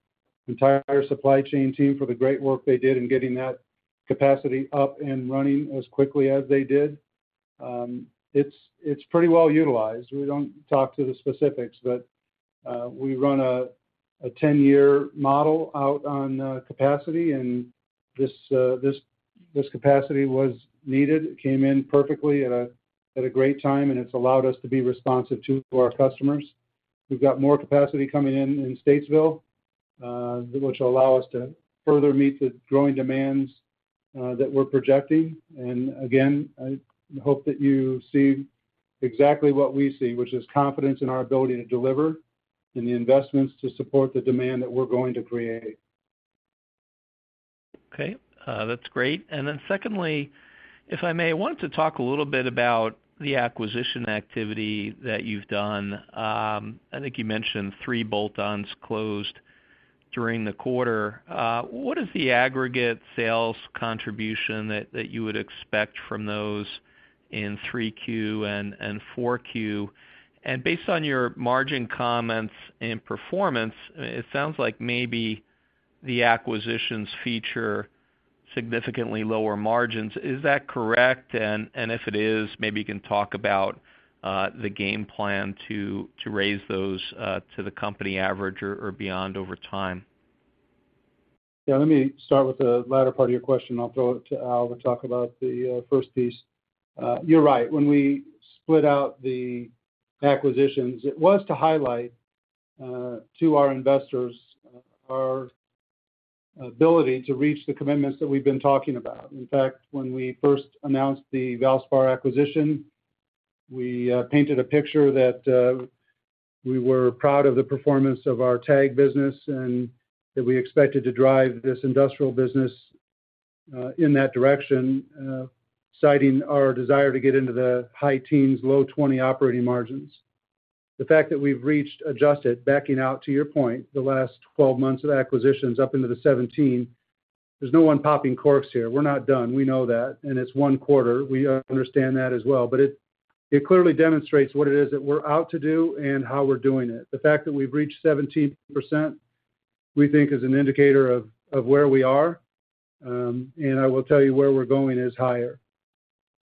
entire supply chain team for the great work they did in getting that capacity up and running as quickly as they did. It's pretty well utilized. We don't talk to the specifics, but we run a 10-year model out on capacity, and this capacity was needed. It came in perfectly at a great time, and it's allowed us to be responsive too to our customers. We've got more capacity coming in in Statesville, which will allow us to further meet the growing demands that we're projecting. Again, I hope that you see exactly what we see, which is confidence in our ability to deliver and the investments to support the demand that we're going to create. Okay. That's great. Then secondly, if I may, I wanted to talk a little bit about the acquisition activity that you've done. I think you mentioned three bolt-ons closed during the quarter. What is the aggregate sales contribution that you would expect from those in 3Q and 4Q? Based on your margin comments and performance, it sounds like maybe the acquisitions feature significantly lower margins. Is that correct? If it is, maybe you can talk about the game plan to raise those to the company average or beyond over time. Yeah. Let me start with the latter part of your question, and I'll throw it to Al to talk about the first piece. You're right. When we split out the acquisitions, it was to highlight to our investors our ability to reach the commitments that we've been talking about. In fact, when we first announced the Valspar acquisition, we painted a picture that we were proud of the performance of our TAG business and that we expected to drive this industrial business in that direction, citing our desire to get into the high teens, low 20% operating margins. The fact that we've reached adjusted, backing out to your point, the last 12 months of acquisitions up into the 17%, there's no one popping corks here. We're not done. We know that, and it's one quarter. We understand that as well. It clearly demonstrates what it is that we're out to do and how we're doing it. The fact that we've reached 17%, we think is an indicator of where we are, and I will tell you where we're going is higher.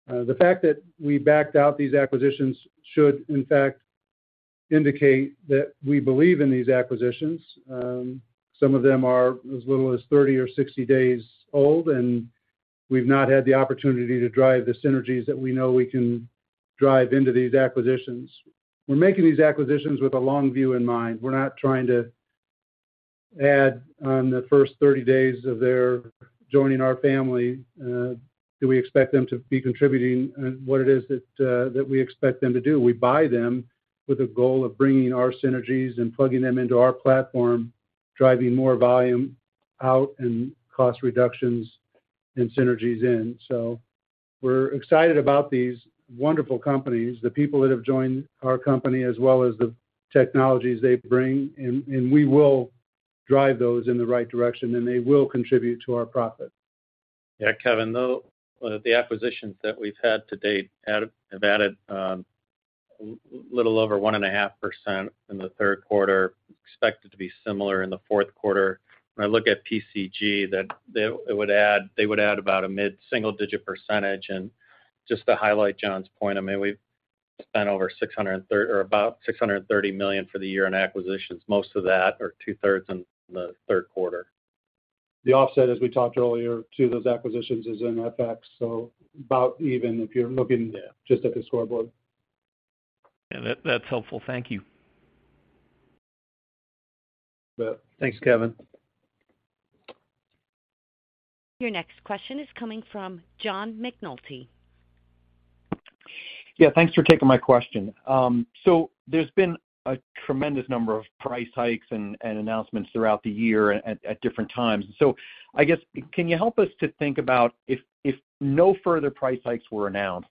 The fact that we backed out these acquisitions should in fact indicate that we believe in these acquisitions. Some of them are as little as 30 or 60 days old, and we've not had the opportunity to drive the synergies that we know we can drive into these acquisitions. We're making these acquisitions with a long view in mind. We're not trying to add on the first 30 days of their joining our family. Do we expect them to be contributing on what it is that we expect them to do. We buy them with a goal of bringing our synergies and plugging them into our platform, driving more volume out and cost reductions and synergies in. We're excited about these wonderful companies, the people that have joined our company as well as the technologies they bring, and we will drive those in the right direction, and they will contribute to our profit. Yeah, Kevin, the acquisitions that we've had to date have added a little over 1.5% in the third quarter, expected to be similar in the fourth quarter. When I look at PCG, it would add about a mid-single-digit percentage. Just to highlight John's point, I mean, we've spent over $600 or about $630 million for the year in acquisitions, most of that or two-thirds in the third quarter. The offset, as we talked earlier, to those acquisitions is in FX, so about even if you're looking. Yeah Just at the scoreboard. Yeah. That, that's helpful. Thank you. You bet. Thanks, Kevin. Your next question is coming from John McNulty. Yeah. Thanks for taking my question. So there's been a tremendous number of price hikes and announcements throughout the year at different times. I guess, can you help us to think about if no further price hikes were announced,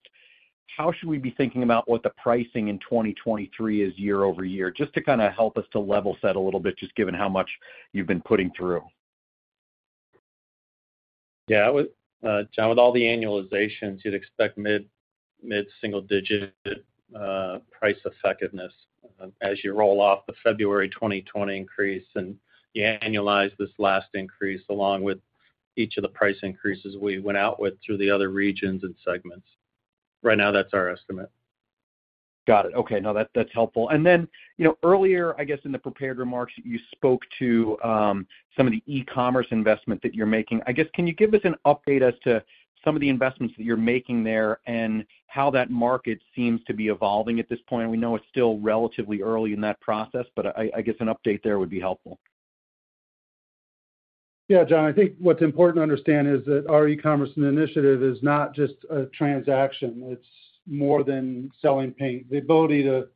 how should we be thinking about what the pricing in 2023 is year-over-year, just to kinda help us to level set a little bit, just given how much you've been putting through? Yeah. With John, with all the annualizations, you'd expect mid-single digit price effectiveness as you roll off the February 2020 increase, and you annualize this last increase along with each of the price increases we went out with through the other regions and segments. Right now, that's our estimate. Got it. Okay. No, that's helpful. You know, earlier, I guess, in the prepared remarks, you spoke to some of the e-commerce investment that you're making. I guess, can you give us an update as to some of the investments that you're making there and how that market seems to be evolving at this point? We know it's still relatively early in that process, but I guess an update there would be helpful. Yeah. John, I think what's important to understand is that our e-commerce initiative is not just a transaction. It's more than selling paint. The ability to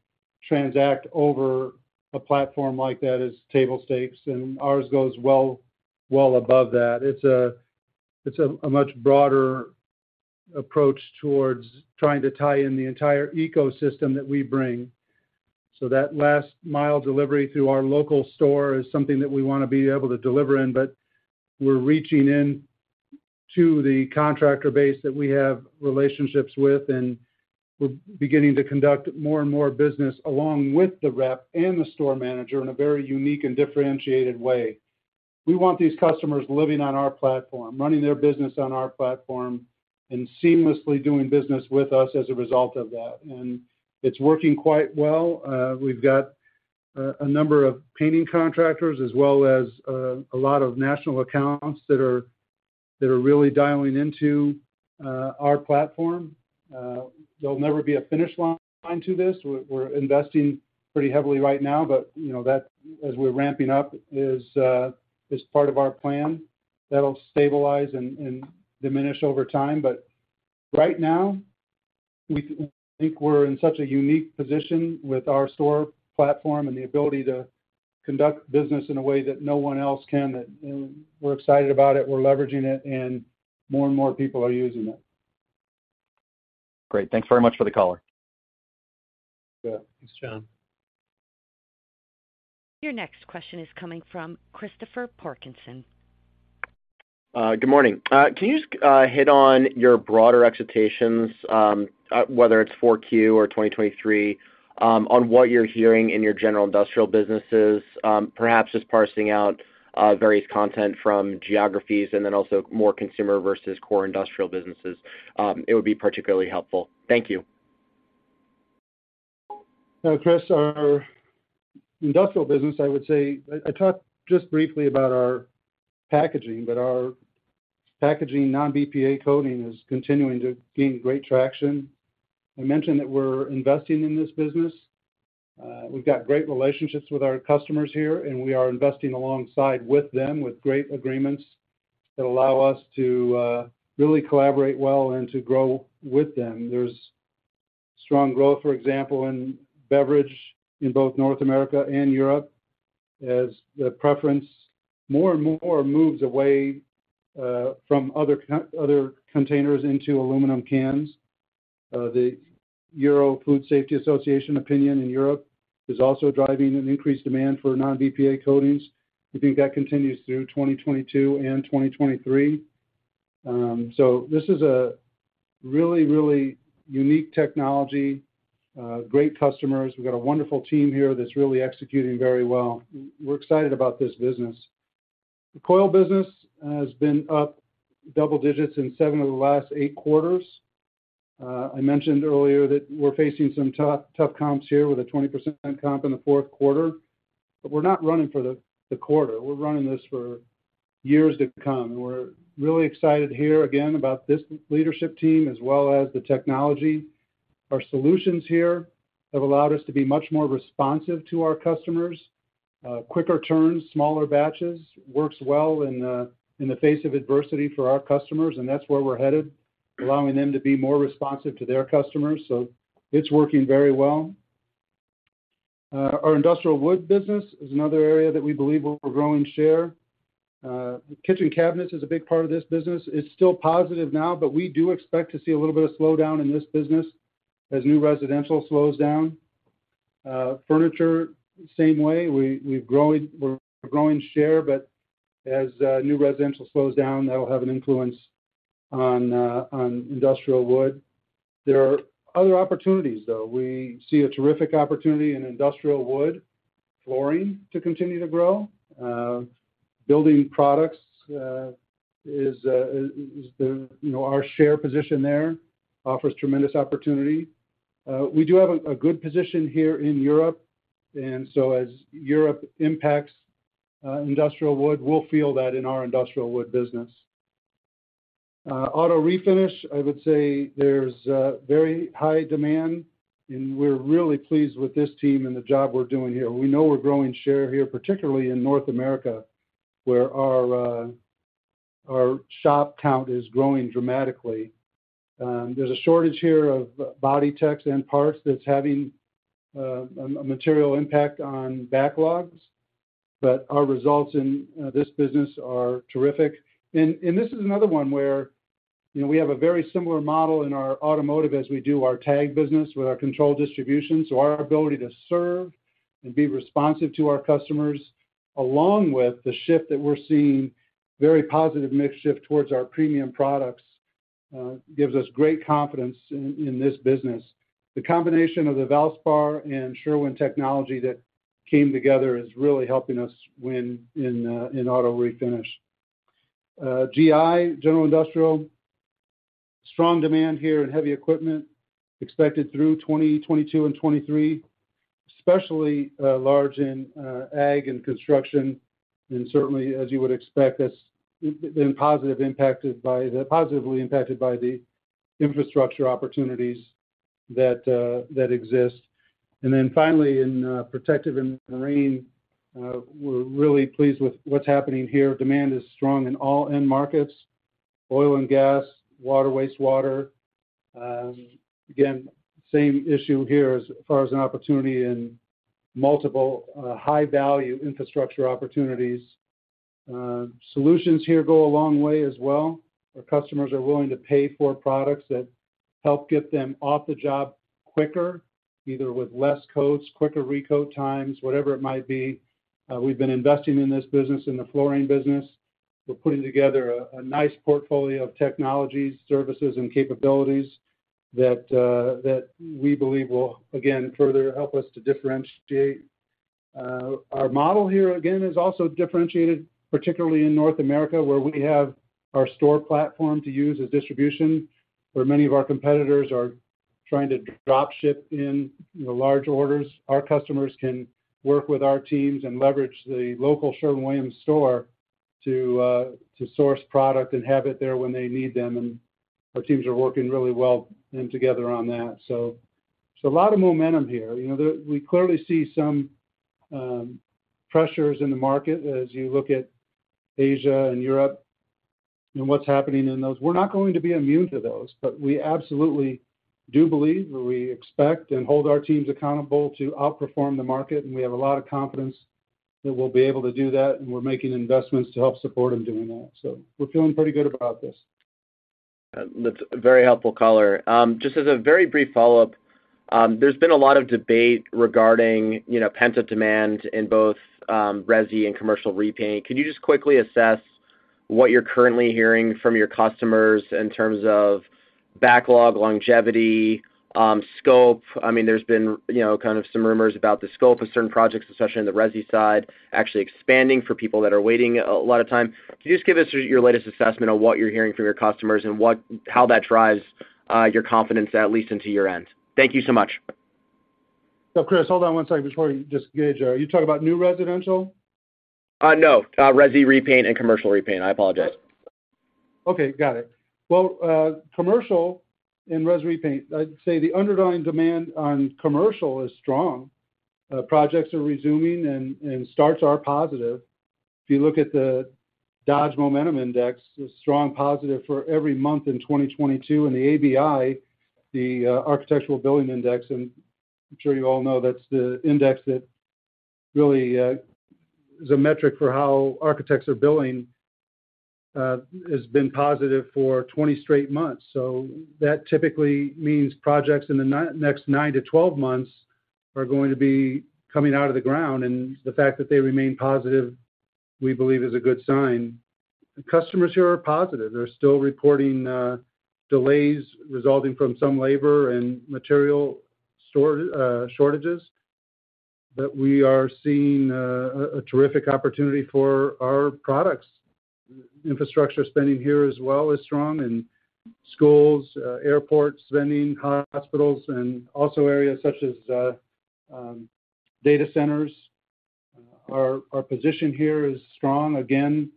transact over a platform like that is table stakes, and ours goes well, well above that. It's a much broader approach towards trying to tie in the entire ecosystem that we bring. That last mile delivery through our local store is something that we wanna be able to deliver in, but we're reaching in to the contractor base that we have relationships with, and we're beginning to conduct more and more business along with the rep and the store manager in a very unique and differentiated way. We want these customers living on our platform, running their business on our platform, and seamlessly doing business with us as a result of that. It's working quite well. We've got a number of painting contractors as well as a lot of national accounts that are really dialing into our platform. There'll never be a finish line to this. We're investing pretty heavily right now, but you know that as we're ramping up is part of our plan that'll stabilize and diminish over time. But right now, we think we're in such a unique position with our store platform and the ability to conduct business in a way that no one else can. We're excited about it, we're leveraging it, and more and more people are using it. Great. Thanks very much for the caller. Yeah. Thanks, John. Your next question is coming from Christopher Parkinson. Good morning. Can you just hit on your broader expectations, whether it's 4Q or 2023, on what you're hearing in your General Industrial businesses, perhaps just parsing out various comments from geographies and then also more consumer versus core industrial businesses? It would be particularly helpful. Thank you. Now, Chris, our industrial business, I would say. I talked just briefly about our packaging, but our packaging non-BPA coating is continuing to gain great traction. I mentioned that we're investing in this business. We've got great relationships with our customers here, and we are investing alongside with them with great agreements that allow us to really collaborate well and to grow with them. There's strong growth, for example, in beverage in both North America and Europe as the preference more and more moves away from other containers into aluminum cans. The European Food Safety Authority opinion in Europe is also driving an increased demand for non-BPA coatings. We think that continues through 2022 and 2023. This is a really, really unique technology, great customers. We've got a wonderful team here that's really executing very well. We're excited about this business. The Coil business has been up double digits in seven of the last eight quarters. I mentioned earlier that we're facing some tough comps here with a 20% comp in the fourth quarter, but we're not running for the quarter. We're running this for years to come. We're really excited here again about this leadership team as well as the technology. Our solutions here have allowed us to be much more responsive to our customers, quicker turns, smaller batches, works well in the face of adversity for our customers, and that's where we're headed, allowing them to be more responsive to their customers. It's working very well. Our Industrial Wood business is another area that we believe we're growing share. Kitchen cabinets is a big part of this business. It's still positive now, but we do expect to see a little bit of slowdown in this business as new residential slows down. Furniture, same way. We're growing share, but as new residential slows down, that will have an influence on Industrial Wood. There are other opportunities, though. We see a terrific opportunity in Industrial Wood flooring to continue to grow. Building products, you know, our share position there offers tremendous opportunity. We do have a good position here in Europe. As Europe impacts Industrial Wood, we'll feel that in our Industrial Wood business. Auto Refinish, I would say there's very high demand, and we're really pleased with this team and the job we're doing here. We know we're growing share here, particularly in North America, where our shop count is growing dramatically. There's a shortage here of body techs and parts that's having a material impact on backlogs, but our results in this business are terrific. This is another one where, you know, we have a very similar model in our automotive as we do our TAG business with our controlled distribution. Our ability to serve and be responsive to our customers, along with the shift that we're seeing, very positive mix shift towards our premium products, gives us great confidence in this business. The combination of the Valspar and Sherwin technology that came together is really helping us win in Auto Refinish. GI, General Industrial, strong demand here in heavy equipment expected through 2022 and 2023, especially large in ag and construction. Certainly, as you would expect, that's been positively impacted by the infrastructure opportunities that exist. Finally, in Protective & Marine, we're really pleased with what's happening here. Demand is strong in all end markets, oil and gas, water, wastewater. Again, same issue here as far as an opportunity in multiple high-value infrastructure opportunities. Solutions here go a long way as well. Our customers are willing to pay for products that help get them off the job quicker, either with less coats, quicker recoat times, whatever it might be. We've been investing in this business, in the flooring business. We're putting together a nice portfolio of technologies, services, and capabilities. That we believe will again further help us to differentiate. Our model here again is also differentiated, particularly in North America, where we have our store platform to use as distribution. Many of our competitors are trying to drop ship in large orders, our customers can work with our teams and leverage the local Sherwin-Williams store to source product and have it there when they need them, and our teams are working really well together on that. A lot of momentum here. We clearly see some pressures in the market as you look at Asia and Europe and what's happening in those. We're not going to be immune to those, but we absolutely do believe, or we expect and hold our teams accountable to outperform the market, and we have a lot of confidence that we'll be able to do that, and we're making investments to help support them doing that. We're feeling pretty good about this. That's a very helpful color. Just as a very brief follow-up, there's been a lot of debate regarding, you know, pent-up demand in both resi and commercial repaint. Can you just quickly assess what you're currently hearing from your customers in terms of backlog, longevity, scope? I mean, there's been, you know, kind of some rumors about the scope of certain projects, especially on the resi side, actually expanding for people that are waiting a lot of time. Can you just give us your latest assessment on what you're hearing from your customers and how that drives your confidence at least into your end? Thank you so much. Chris, hold on one second before you just engage there. Are you talking about new residential? No. Res repaint and commercial repaint. I apologize. Okay. Got it. Well, commercial and res repaint, I'd say the underlying demand on commercial is strong. Projects are resuming and starts are positive. If you look at the Dodge Momentum Index, a strong positive for every month in 2022. The ABI, the Architecture Billings Index, and I'm sure you all know, that's the index that really is a metric for how architects are billing, has been positive for 20 straight months. That typically means projects in the next 9-12 months are going to be coming out of the ground. The fact that they remain positive, we believe is a good sign. Customers here are positive. They're still reporting delays resulting from some labor and material shortages. We are seeing a terrific opportunity for our products. Infrastructure spending here as well is strong in schools, airports, vending, hospitals, and also areas such as data centers. Our position here is strong. Again,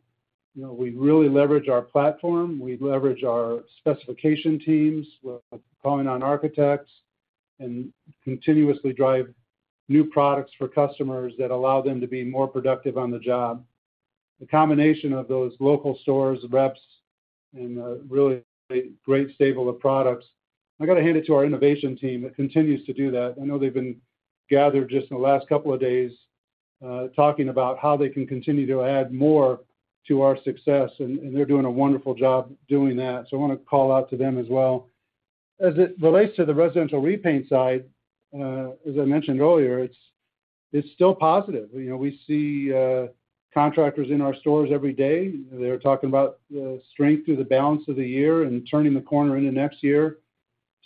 you know, we really leverage our platform, we leverage our specification teams. We're calling on architects and continuously drive new products for customers that allow them to be more productive on the job. The combination of those local stores, reps, and really great stable of products. I got to hand it to our innovation team that continues to do that. I know they've been gathered just in the last couple of days talking about how they can continue to add more to our success, and they're doing a wonderful job doing that. I wanna call out to them as well. As it relates to the residential repaint side, as I mentioned earlier, it's still positive. You know, we see contractors in our stores every day. They're talking about strength through the balance of the year and turning the corner into next year.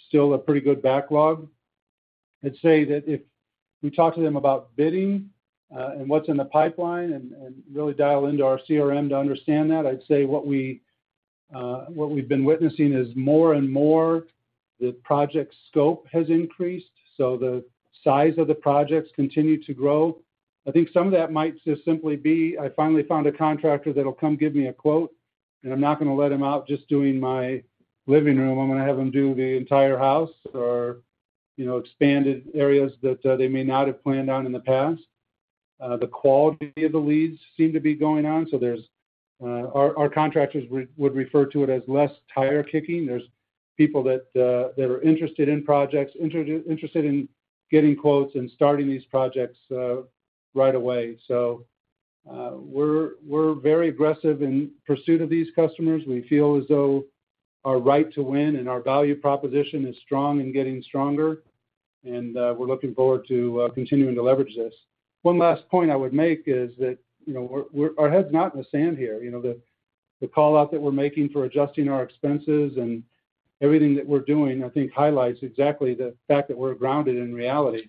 Still a pretty good backlog. I'd say that if we talk to them about bidding and what's in the pipeline and really dial into our CRM to understand that, I'd say what we've been witnessing is more and more the project scope has increased, so the size of the projects continue to grow. I think some of that might just simply be, I finally found a contractor that'll come give me a quote, and I'm not gonna let him out just doing my living room. I'm gonna have him do the entire house or, you know, expanded areas that they may not have planned on in the past. The quality of the leads seem to be going on. There's our contractors would refer to it as less tire kicking. There's people that are interested in projects, interested in getting quotes and starting these projects right away. We're very aggressive in pursuit of these customers. We feel as though our right to win and our value proposition is strong and getting stronger, and we're looking forward to continuing to leverage this. One last point I would make is that, you know, our head's not in the sand here. You know, the call-out that we're making for adjusting our expenses and everything that we're doing, I think highlights exactly the fact that we're grounded in reality.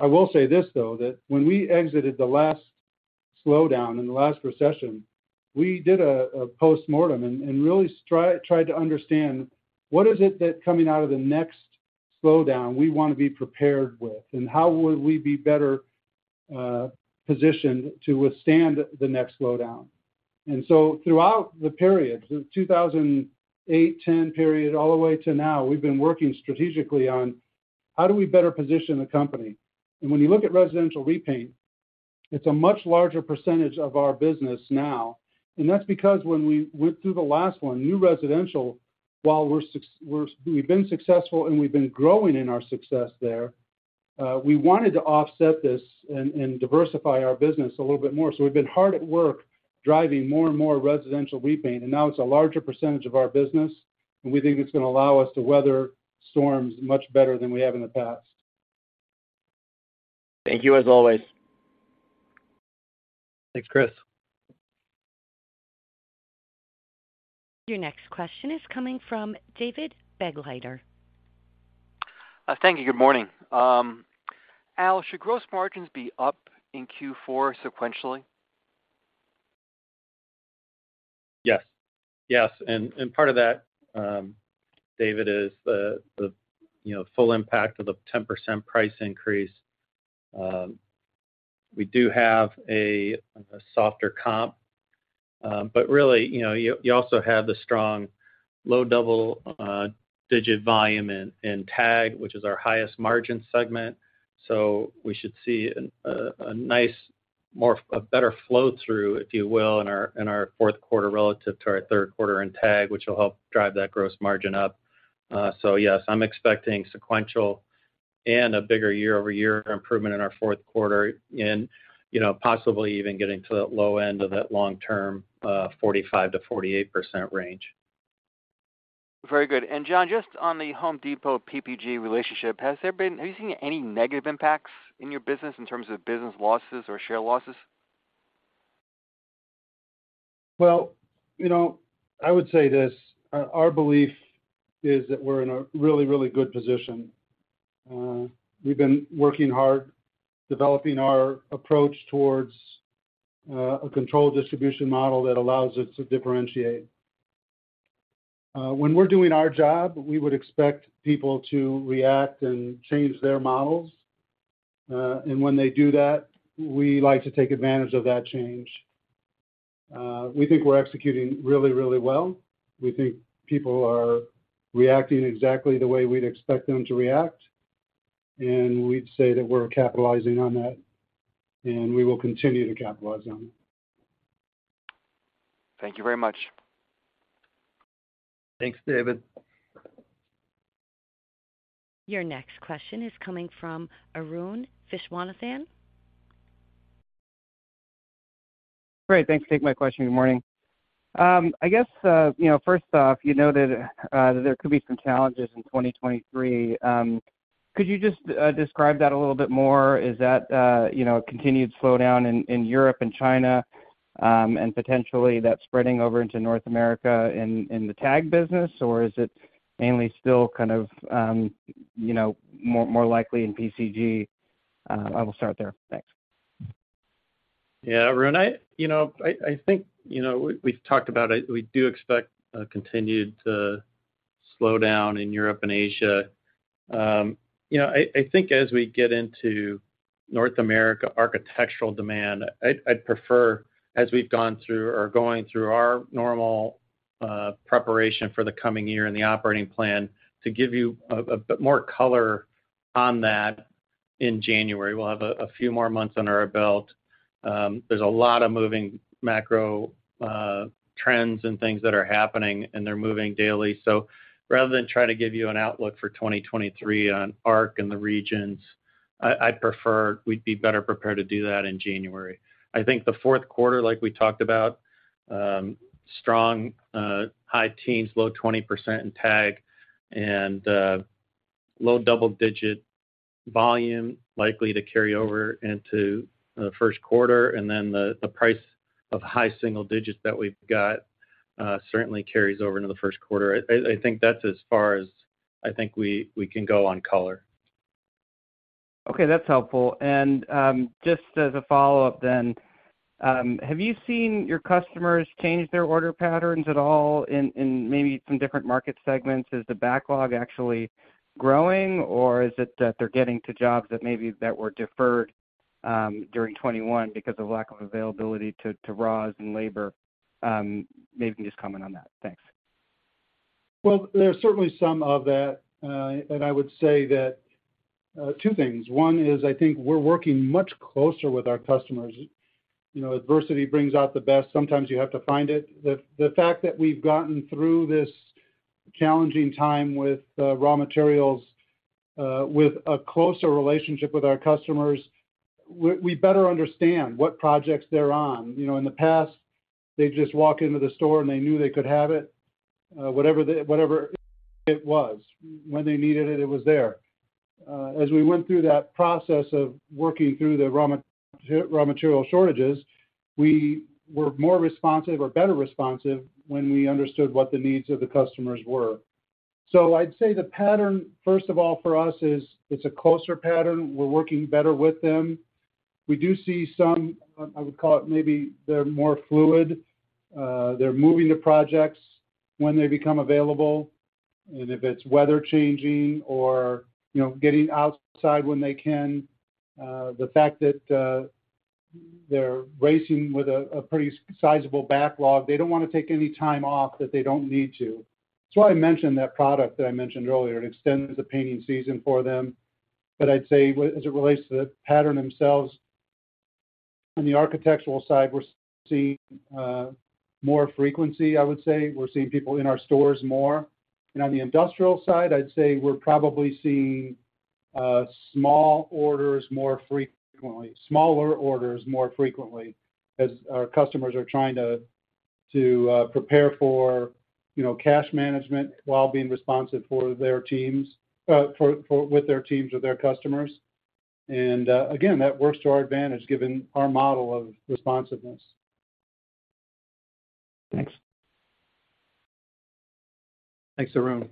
I will say this, though, that when we exited the last slowdown and the last recession, we did a postmortem and really tried to understand what is it that coming out of the next slowdown we wanna be prepared with, and how would we be better positioned to withstand the next slowdown. Throughout the period, the 2008-10 period all the way to now, we've been working strategically on how do we better position the company. When you look at residential repaint, it's a much larger percentage of our business now. That's because when we went through the last one, new residential, while we've been successful and we've been growing in our success there, we wanted to offset this and diversify our business a little bit more. We've been hard at work driving more and more residential repaint, and now it's a larger percentage of our business, and we think it's gonna allow us to weather storms much better than we have in the past. Thank you as always. Thanks, Chris. Your next question is coming from David Begleiter. Thank you. Good morning. Al, should gross margins be up in Q4 sequentially? Yes. Part of that, David, is the full impact of the 10% price increase. We do have a softer comp. But really, you know, you also have the strong low double-digit volume in TAG, which is our highest margin segment. We should see a nice better flow through, if you will, in our fourth quarter relative to our third quarter in TAG, which will help drive that gross margin up. Yes, I'm expecting sequential and a bigger year-over-year improvement in our fourth quarter and, you know, possibly even getting to the low end of that long-term 45% to 48% range. Very good. John, just on the Home Depot PPG relationship, are you seeing any negative impacts in your business in terms of business losses or share losses? Well, you know, I would say this, our belief is that we're in a really, really good position. We've been working hard developing our approach towards a controlled distribution model that allows us to differentiate. When we're doing our job, we would expect people to react and change their models. When they do that, we like to take advantage of that change. We think we're executing really, really well. We think people are reacting exactly the way we'd expect them to react, and we'd say that we're capitalizing on that, and we will continue to capitalize on that. Thank you very much. Thanks, David. Your next question is coming from Arun Viswanathan. Great. Thanks for taking my question. Good morning. I guess, you know, first off, you noted that there could be some challenges in 2023. Could you just describe that a little bit more? Is that, you know, a continued slowdown in Europe and China, and potentially that spreading over into North America in the TAG business? Or is it mainly still kind of, you know, more likely in PCG? I will start there. Thanks. Yeah. Arun, you know, I think, you know, we've talked about it. We do expect a continued slowdown in Europe and Asia. You know, I think as we get into North America architectural demand, I'd prefer as we've gone through or going through our normal preparation for the coming year and the operating plan to give you a bit more color on that in January. We'll have a few more months under our belt. There's a lot of moving macro trends and things that are happening, and they're moving daily. Rather than try to give you an outlook for 2023 on ARC and the regions, I prefer we'd be better prepared to do that in January. I think the fourth quarter, like we talked about, strong high teens to low 20% in TAG and low double-digit volume likely to carry over into the first quarter. The price of high single digits that we've got certainly carries over into the first quarter. I think that's as far as I think we can go on color. Okay, that's helpful. Just as a follow-up then, have you seen your customers change their order patterns at all in maybe some different market segments? Is the backlog actually growing, or is it that they're getting to jobs that maybe were deferred during 2021 because of lack of availability to raws and labor? Maybe you can just comment on that. Thanks. Well, there's certainly some of that. I would say that, two things. One is, I think we're working much closer with our customers. You know, adversity brings out the best. Sometimes you have to find it. The fact that we've gotten through this challenging time with raw materials, with a closer relationship with our customers, we better understand what projects they're on. You know, in the past, they just walk into the store, and they knew they could have it, whatever it was. When they needed it was there. As we went through that process of working through the raw material shortages, we were more responsive or better responsive when we understood what the needs of the customers were. I'd say the pattern, first of all for us is it's a closer pattern. We're working better with them. We do see some, I would call it maybe they're more fluid. They're moving the projects when they become available, and if it's weather changing or, you know, getting outside when they can. The fact that, they're racing with a pretty sizable backlog, they don't wanna take any time off that they don't need to. That's why I mentioned that product that I mentioned earlier. It extends the painting season for them. But I'd say as it relates to the pattern themselves, on the architectural side, we're seeing, more frequency, I would say. We're seeing people in our stores more. On the industrial side, I'd say we're probably seeing smaller orders more frequently as our customers are trying to prepare for, you know, cash management while being responsive with their teams or their customers. Again, that works to our advantage given our model of responsiveness. Thanks. Thanks, Arun.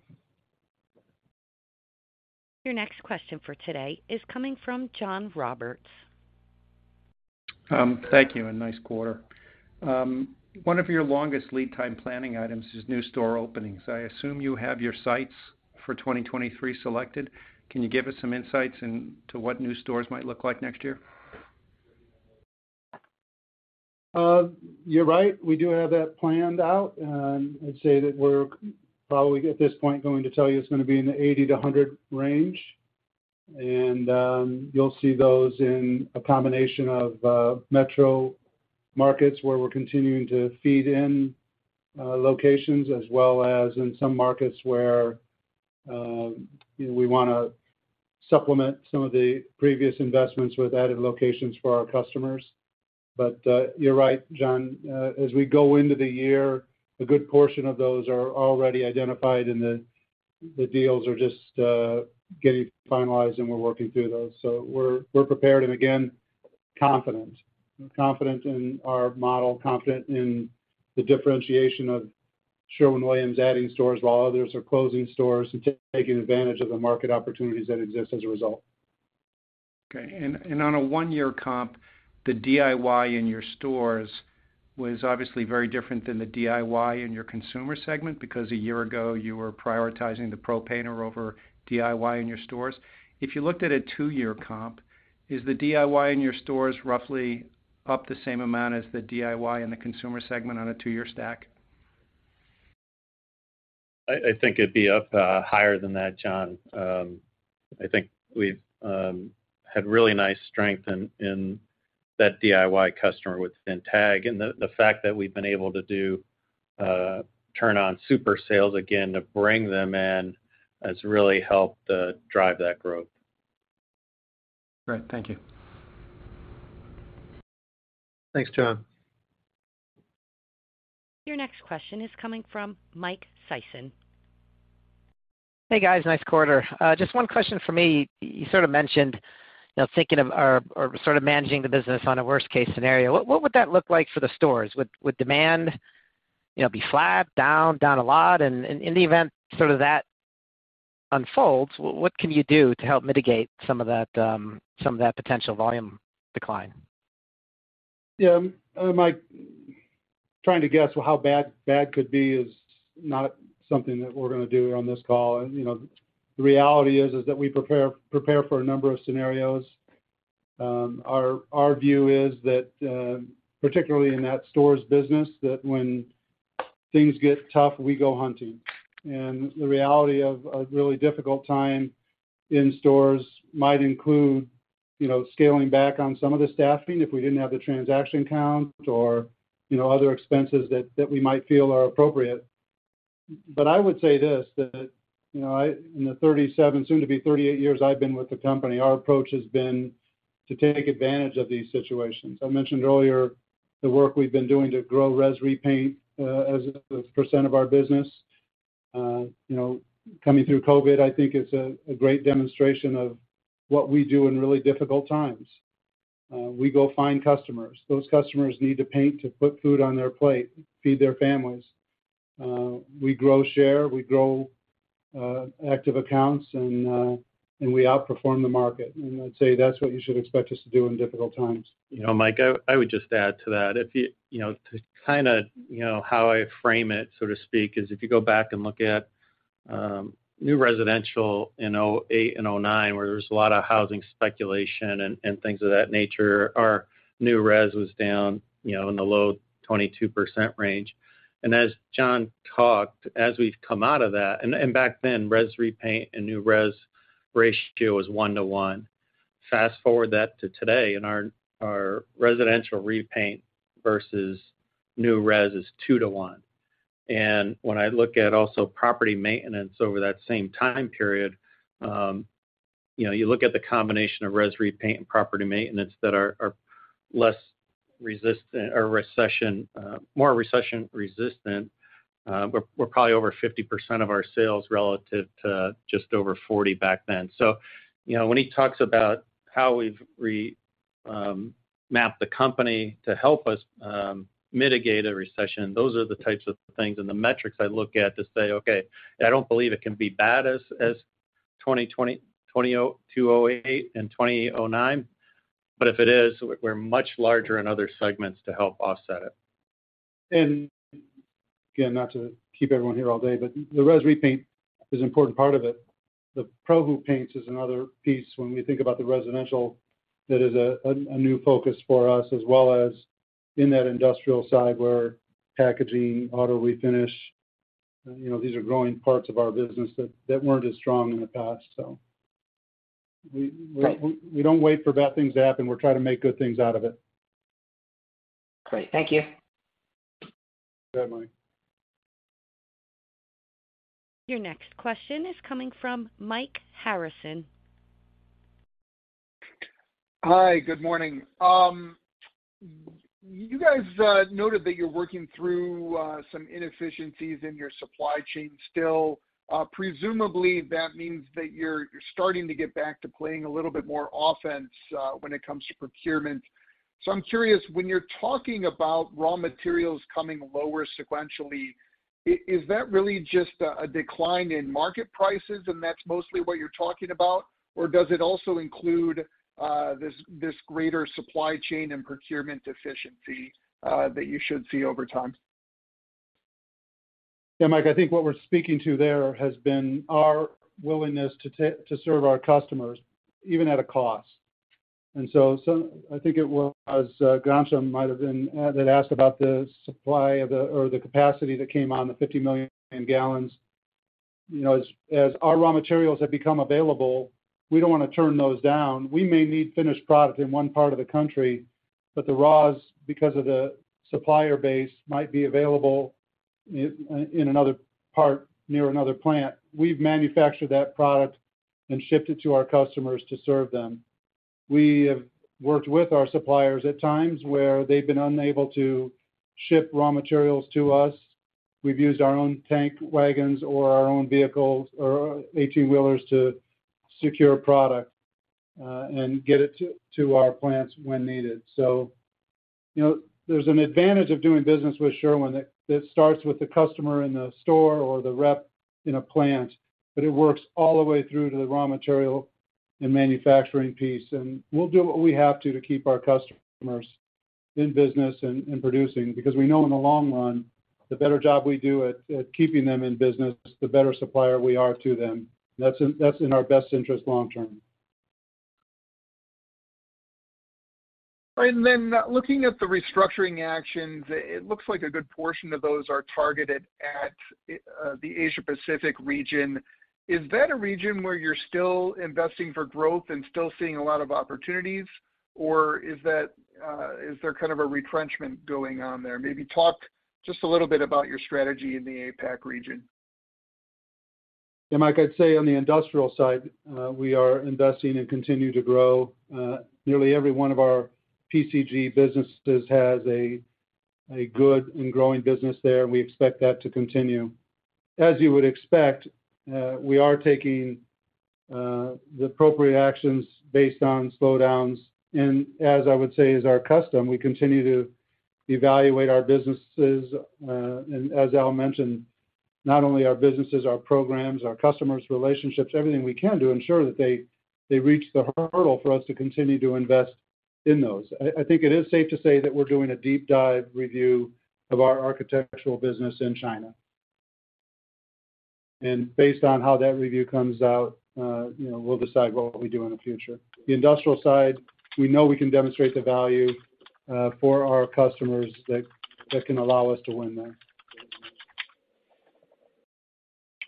Your next question for today is coming from John Roberts. Thank you, and nice quarter. One of your longest lead time planning items is new store openings. I assume you have your sites for 2023 selected. Can you give us some insights into what new stores might look like next year? You're right, we do have that planned out. I'd say that we're probably, at this point, going to tell you it's gonna be in the 80-100 range. You'll see those in a combination of metro markets where we're continuing to feed in locations as well as in some markets where, you know, we wanna supplement some of the previous investments with added locations for our customers. You're right, John. As we go into the year, a good portion of those are already identified, and the deals are just getting finalized, and we're working through those. We're prepared and, again, confident. We're confident in our model, confident in the differentiation of Sherwin-Williams adding stores while others are closing stores and taking advantage of the market opportunities that exist as a result. Okay. On a one-year comp, the DIY in your stores was obviously very different than the DIY in your consumer segment because a year ago you were prioritizing the Pro painter over DIY in your stores. If you looked at a two-year comp, is the DIY in your stores roughly up the same amount as the DIY in the consumer segment on a two-year stack? I think it'd be up higher than that, John. I think we've had really nice strength in that DIY customer within TAG. The fact that we've been able to turn on super sales again to bring them in has really helped drive that growth. Great. Thank you. Thanks, John. Your next question is coming from Michael Sison. Hey, guys, nice quarter. Just one question for me. You sort of mentioned, you know, thinking of or sort of managing the business on a worst-case scenario. What would that look like for the stores? Would demand, you know, be flat, down a lot? In the event sort of that unfolds, what can you do to help mitigate some of that potential volume decline? Yeah. Mike, trying to guess how bad bad could be is not something that we're gonna do on this call. You know, the reality is that we prepare for a number of scenarios. Our view is that, particularly in that stores business, that when things get tough, we go hunting. The reality of a really difficult time in stores might include, you know, scaling back on some of the staffing if we didn't have the transaction count or, you know, other expenses that we might feel are appropriate. But I would say this, you know, in the 37, soon to be 38 years I've been with the company, our approach has been to take advantage of these situations. I mentioned earlier the work we've been doing to grow our repaint as a percent of our business. You know, coming through COVID, I think it's a great demonstration of what we do in really difficult times. We go find customers. Those customers need to paint to put food on their plate, feed their families. We grow share, we grow active accounts, and we outperform the market. I'd say that's what you should expect us to do in difficult times. You know, Mike, I would just add to that. If you know, to kinda, you know, how I frame it, so to speak, is if you go back and look at new residential in 2008 and 2009, where there was a lot of housing speculation and things of that nature, our new res was down, you know, in the low 22% range. As John talked, as we've come out of that, and back then, res repaint and new res ratio was 1 to 1. Fast-forward that to today, and our residential repaint versus new res is 2 to 1. When I look at also property maintenance over that same time period, you know, you look at the combination of res repaint and property maintenance that are more recession-resistant, we're probably over 50% of our sales relative to just over 40 back then. You know, when he talks about how we've mapped the company to help us mitigate a recession, those are the types of things and the metrics I look at to say, okay, I don't believe it can be as bad as 2020, 2008 and 2009. If it is, we're much larger in other segments to help offset it. Again, not to keep everyone here all day, but the residential repaint is an important part of it. The Pros Who Paint is another piece when we think about the residential that is a new focus for us, as well as in that industrial side where Packaging, Auto Refinish, you know, these are growing parts of our business that weren't as strong in the past. Right. We don't wait for bad things to happen. We try to make good things out of it. Great. Thank you. Good, Mike. Your next question is coming from Mike Harrison. Hi, good morning. You guys noted that you're working through some inefficiencies in your supply chain still. Presumably that means that you're starting to get back to playing a little bit more offense when it comes to procurement. I'm curious, when you're talking about raw materials coming lower sequentially, is that really just a decline in market prices, and that's mostly what you're talking about? Or does it also include this greater supply chain and procurement efficiency that you should see over time? Yeah, Mike, I think what we're speaking to there has been our willingness to to serve our customers, even at a cost. I think it was Ghansham Panjabi that asked about the capacity that came on, the 50 million gallons. You know, as our raw materials have become available, we don't wanna turn those down. We may need finished product in one part of the country, but the raws, because of the supplier base, might be available in another part near another plant. We've manufactured that product and shipped it to our customers to serve them. We have worked with our suppliers at times where they've been unable to ship raw materials to us. We've used our own tank wagons or our own vehicles or 18-wheelers to secure product, and get it to our plants when needed. You know, there's an advantage of doing business with Sherwin that starts with the customer in the store or the rep in a plant, but it works all the way through to the raw material and manufacturing piece. We'll do what we have to keep our customers in business and producing because we know in the long run, the better job we do at keeping them in business, the better supplier we are to them. That's in our best interest long term. Looking at the restructuring actions, it looks like a good portion of those are targeted at the Asia Pacific region. Is that a region where you're still investing for growth and still seeing a lot of opportunities? Or is that, is there kind of a retrenchment going on there? Maybe talk just a little bit about your strategy in the APAC region. Yeah, Mike, I'd say on the industrial side, we are investing and continue to grow. Nearly every one of our PCG businesses has a good and growing business there, and we expect that to continue. As you would expect, we are taking the appropriate actions based on slowdowns. As I would say is our custom, we continue to evaluate our businesses, and as Al mentioned, not only our businesses, our programs, our customers, relationships, everything we can to ensure that they reach the hurdle for us to continue to invest in those. I think it is safe to say that we're doing a deep dive review of our architectural business in China. Based on how that review comes out, you know, we'll decide what we do in the future. The industrial side, we know we can demonstrate the value for our customers that can allow us to win there.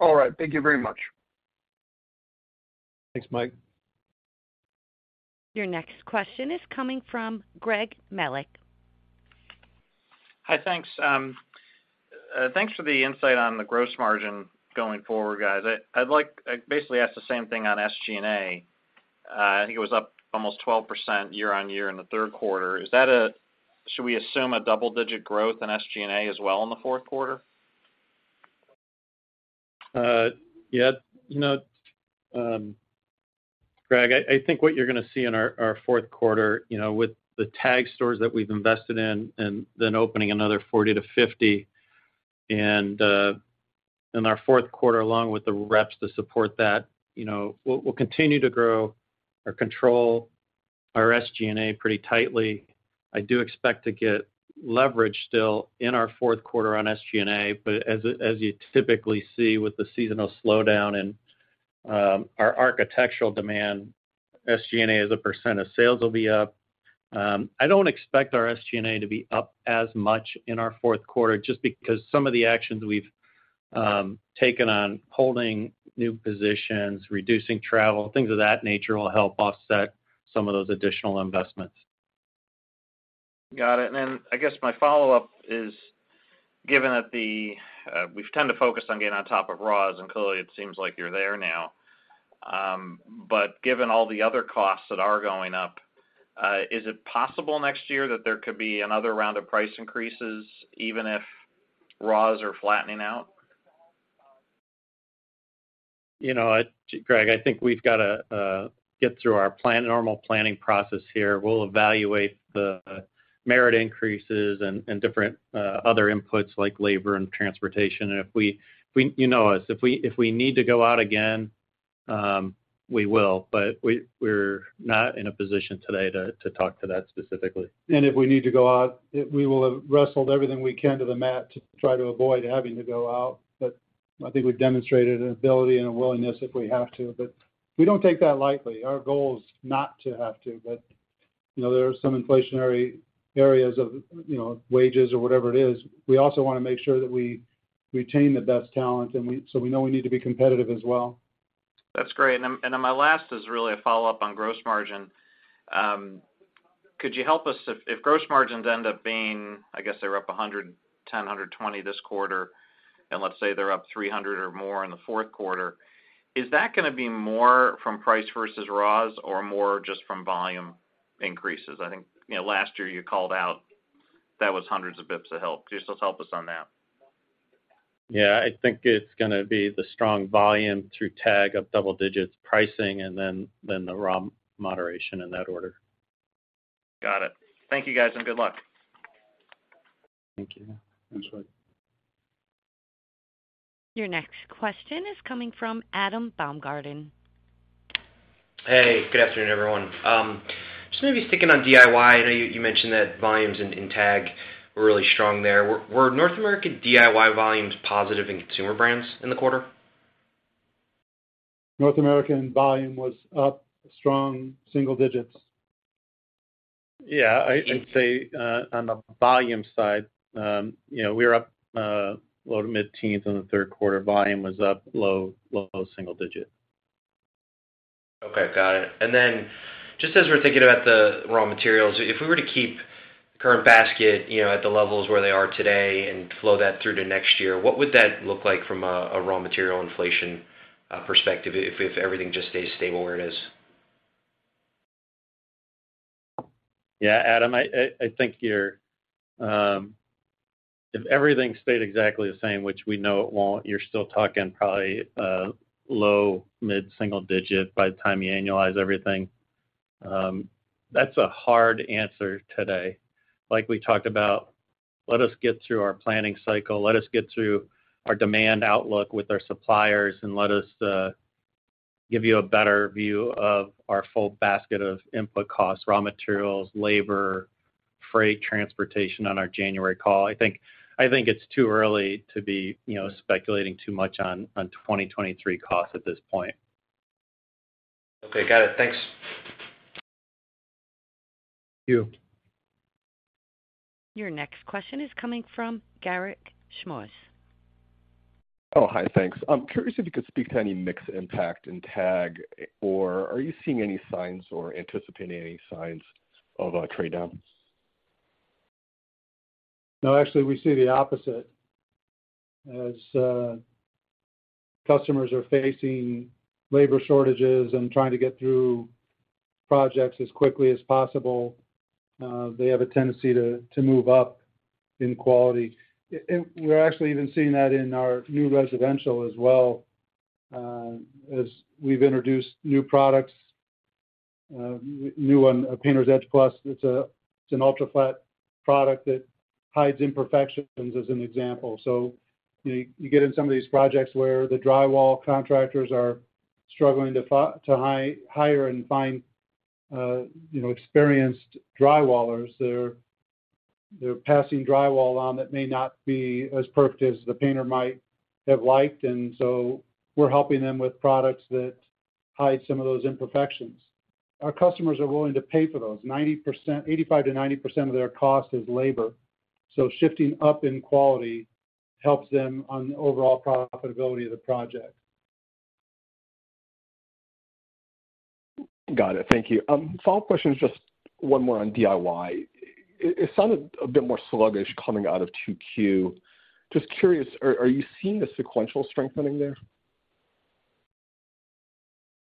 All right. Thank you very much. Thanks, Mike. Your next question is coming from Gregory Scott Melich. Hi, thanks for the insight on the gross margin going forward, guys. I'd basically ask the same thing on SG&A. I think it was up almost 12% year-over-year in the third quarter. Should we assume double-digit growth in SG&A as well in the fourth quarter? Yeah. No, Greg, I think what you're gonna see in our fourth quarter, you know, with the TAG stores that we've invested in and then opening another 40-50 in our fourth quarter, along with the reps to support that, you know, we'll continue to grow or control our SG&A pretty tightly. I do expect to get leverage still in our fourth quarter on SG&A. As you typically see with the seasonal slowdown and our architectural demand, SG&A as a percent of sales will be up. I don't expect our SG&A to be up as much in our fourth quarter just because some of the actions we've taken on holding new positions, reducing travel, things of that nature will help offset some of those additional investments. Got it. I guess my follow-up is, given that the we've tended to focus on getting on top of raws, and clearly it seems like you're there now. Given all the other costs that are going up, is it possible next year that there could be another round of price increases even if raws are flattening out? You know, Greg, I think we've gotta get through our normal planning process here. We'll evaluate the merit increases and different other inputs like labor and transportation. You know us, if we need to go out again, we will. But we're not in a position today to talk to that specifically. If we need to go out, we will have wrestled everything we can to the mat to try to avoid having to go out. I think we've demonstrated an ability and a willingness if we have to. We don't take that lightly. Our goal is not to have to. You know, there are some inflationary areas of, you know, wages or whatever it is. We also wanna make sure that we retain the best talent, so we know we need to be competitive as well. That's great. My last is really a follow-up on gross margin. Could you help us if gross margins end up being, I guess they were up 110, 120 this quarter, and let's say they're up 300 or more in the fourth quarter, is that gonna be more from price versus raw or more just from volume increases? I think, you know, last year you called out that was hundreds of basis points of help. Just help us on that. Yeah. I think it's gonna be the strong volume through TAG of double digits pricing and then the raw material moderation in that order. Got it. Thank you, guys, and good luck. Thank you. Thanks. Your next question is coming from Adam Baumgarten. Hey, good afternoon, everyone. Maybe sticking on DIY. I know you mentioned that volumes in TAG were really strong there. Were North American DIY volumes positive in consumer brands in the quarter? North American volume was up strong single digits. Yeah. I'd say on the volume side, you know, we were up low- to mid-teens% on the third quarter. Volume was up low single digit%. Okay. Got it. Just as we're thinking about the raw materials, if we were to keep current basket, you know, at the levels where they are today and flow that through to next year, what would that look like from a raw material inflation perspective if everything just stays stable where it is? Yeah. Adam, I think you're... If everything stayed exactly the same, which we know it won't, you're still talking probably low- to mid-single-digit by the time you annualize everything. That's a hard answer today. Like we talked about, let us get through our planning cycle, let us get through our demand outlook with our suppliers, and let us give you a better view of our full basket of input costs, raw materials, labor, freight, transportation on our January call. I think it's too early to be, you know, speculating too much on 2023 costs at this point. Okay. Got it. Thanks. Thank you. Your next question is coming from Garik Shmois. Oh, hi. Thanks. I'm curious if you could speak to any mix impact in TAG or are you seeing any signs or anticipating any signs of a trade-down? No, actually we see the opposite. As customers are facing labor shortages and trying to get through projects as quickly as possible, they have a tendency to move up in quality. And we're actually even seeing that in our new residential as well, as we've introduced new products, new one, a Painters Edge Plus, it's an ultra-flat product that hides imperfections as an example. You get in some of these projects where the drywall contractors are struggling to hire and find experienced drywallers. They're passing drywall on that may not be as perfect as the painter might have liked, and we're helping them with products that hide some of those imperfections. Our customers are willing to pay for those. 85%-90% of their cost is labor, so shifting up in quality helps them on the overall profitability of the project. Got it. Thank you. Follow-up question is just one more on DIY. It sounded a bit more sluggish coming out of 2Q. Just curious, are you seeing a sequential strengthening there?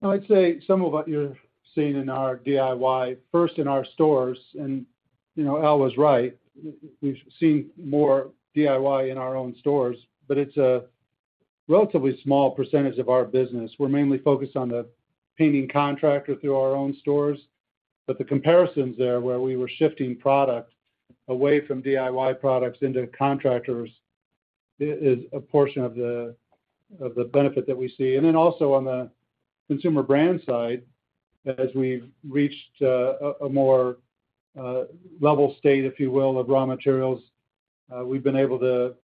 I'd say some of what you're seeing in our DIY, first in our stores, and you know, Al was right. We've seen more DIY in our own stores, but it's a relatively small percentage of our business. We're mainly focused on the painting contractor through our own stores. But the comparisons there, where we were shifting product away from DIY products into contractors is a portion of the benefit that we see. Also on the consumer brand side, as we've reached a more level state, if you will, of raw materials, we've been able to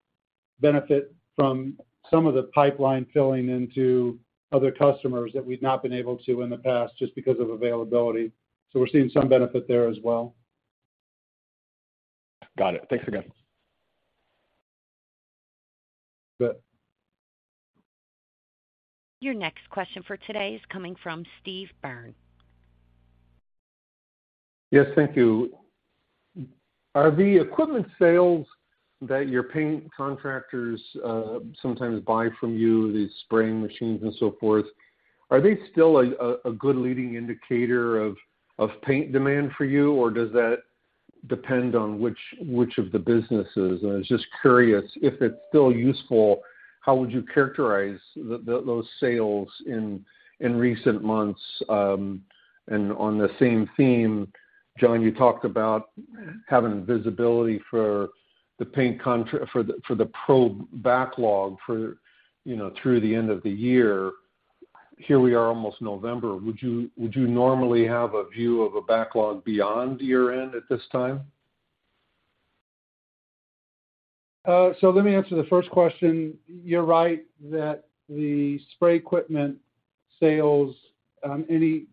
benefit from some of the pipeline filling into other customers that we've not been able to in the past just because of availability. We're seeing some benefit there as well. Got it. Thanks again. You bet. Your next question for today is coming from Stephen Byrne. Yes, thank you. Are the equipment sales that your paint contractors sometimes buy from you, the spraying machines and so forth, are they still a good leading indicator of paint demand for you, or does that depend on which of the businesses? I was just curious if it's still useful, how would you characterize those sales in recent months? On the same theme, John, you talked about having visibility for the pro backlog, you know, through the end of the year. Here we are almost November. Would you normally have a view of a backlog beyond year-end at this time? Let me answer the first question. You're right that the spray equipment sales, any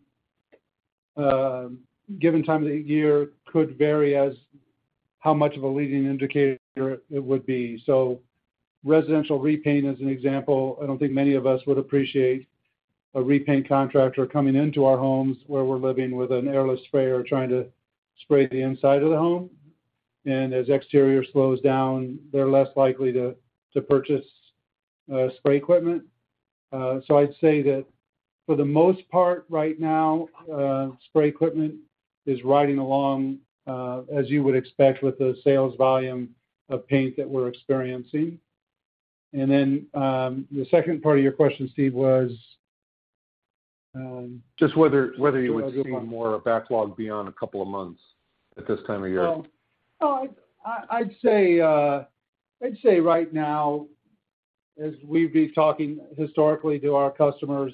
given time of the year could vary. How much of a leading indicator it would be. Residential repaint as an example, I don't think many of us would appreciate a repaint contractor coming into our homes where we're living with an airless sprayer trying to spray the inside of the home. As exterior slows down, they're less likely to purchase spray equipment. I'd say that for the most part right now, spray equipment is riding along, as you would expect with the sales volume of paint that we're experiencing. The second part of your question, Steve, was, Just whether you would see more backlog beyond a couple of months at this time of year? I'd say right now, as we'd be talking historically to our customers,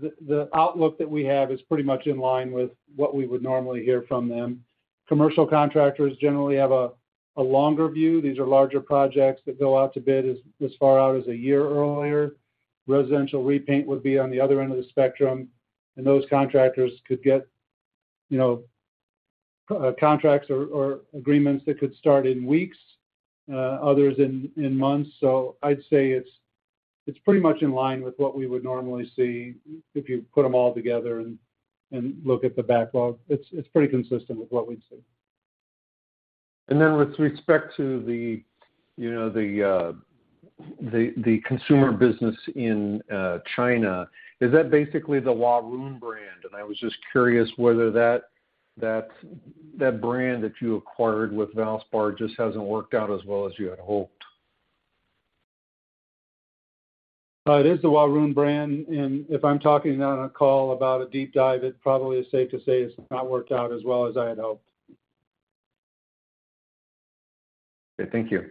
the outlook that we have is pretty much in line with what we would normally hear from them. Commercial contractors generally have a longer view. These are larger projects that go out to bid as far out as a year earlier. Residential repaint would be on the other end of the spectrum, and those contractors could get, you know, contracts or agreements that could start in weeks, others in months. I'd say it's pretty much in line with what we would normally see if you put them all together and look at the backlog. It's pretty consistent with what we'd see. With respect to the consumer business in China, you know, is that basically the Huarun brand? I was just curious whether that brand that you acquired with Valspar just hasn't worked out as well as you had hoped. It is the Huarun brand, and if I'm talking on a call about a deep dive, it probably is safe to say it's not worked out as well as I had hoped. Okay. Thank you.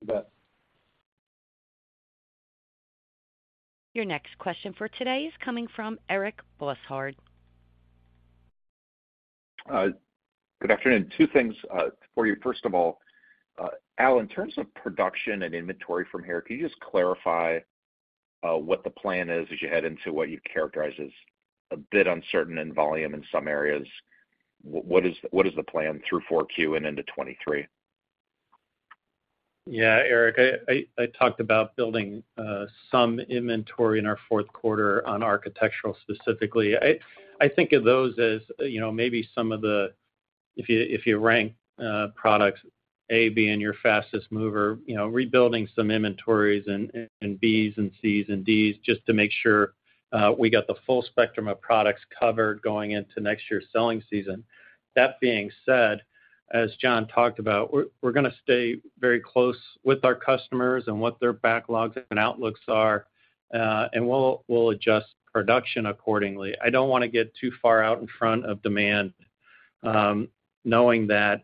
You bet. Your next question for today is coming from Eric Bosshard. Good afternoon. Two things for you. First of all, Al, in terms of production and inventory from here, can you just clarify what the plan is as you head into what you characterize as a bit uncertain in volume in some areas? What is the plan through 4Q and into 2023? Yeah, Eric, I talked about building some inventory in our fourth quarter on architectural specifically. I think of those as, you know, maybe some of the, if you rank products A being your fastest mover, you know, rebuilding some inventories and Bs and Cs and Ds just to make sure we got the full spectrum of products covered going into next year's selling season. That being said, as John talked about, we're gonna stay very close with our customers and what their backlogs and outlooks are and we'll adjust production accordingly. I don't wanna get too far out in front of demand, knowing that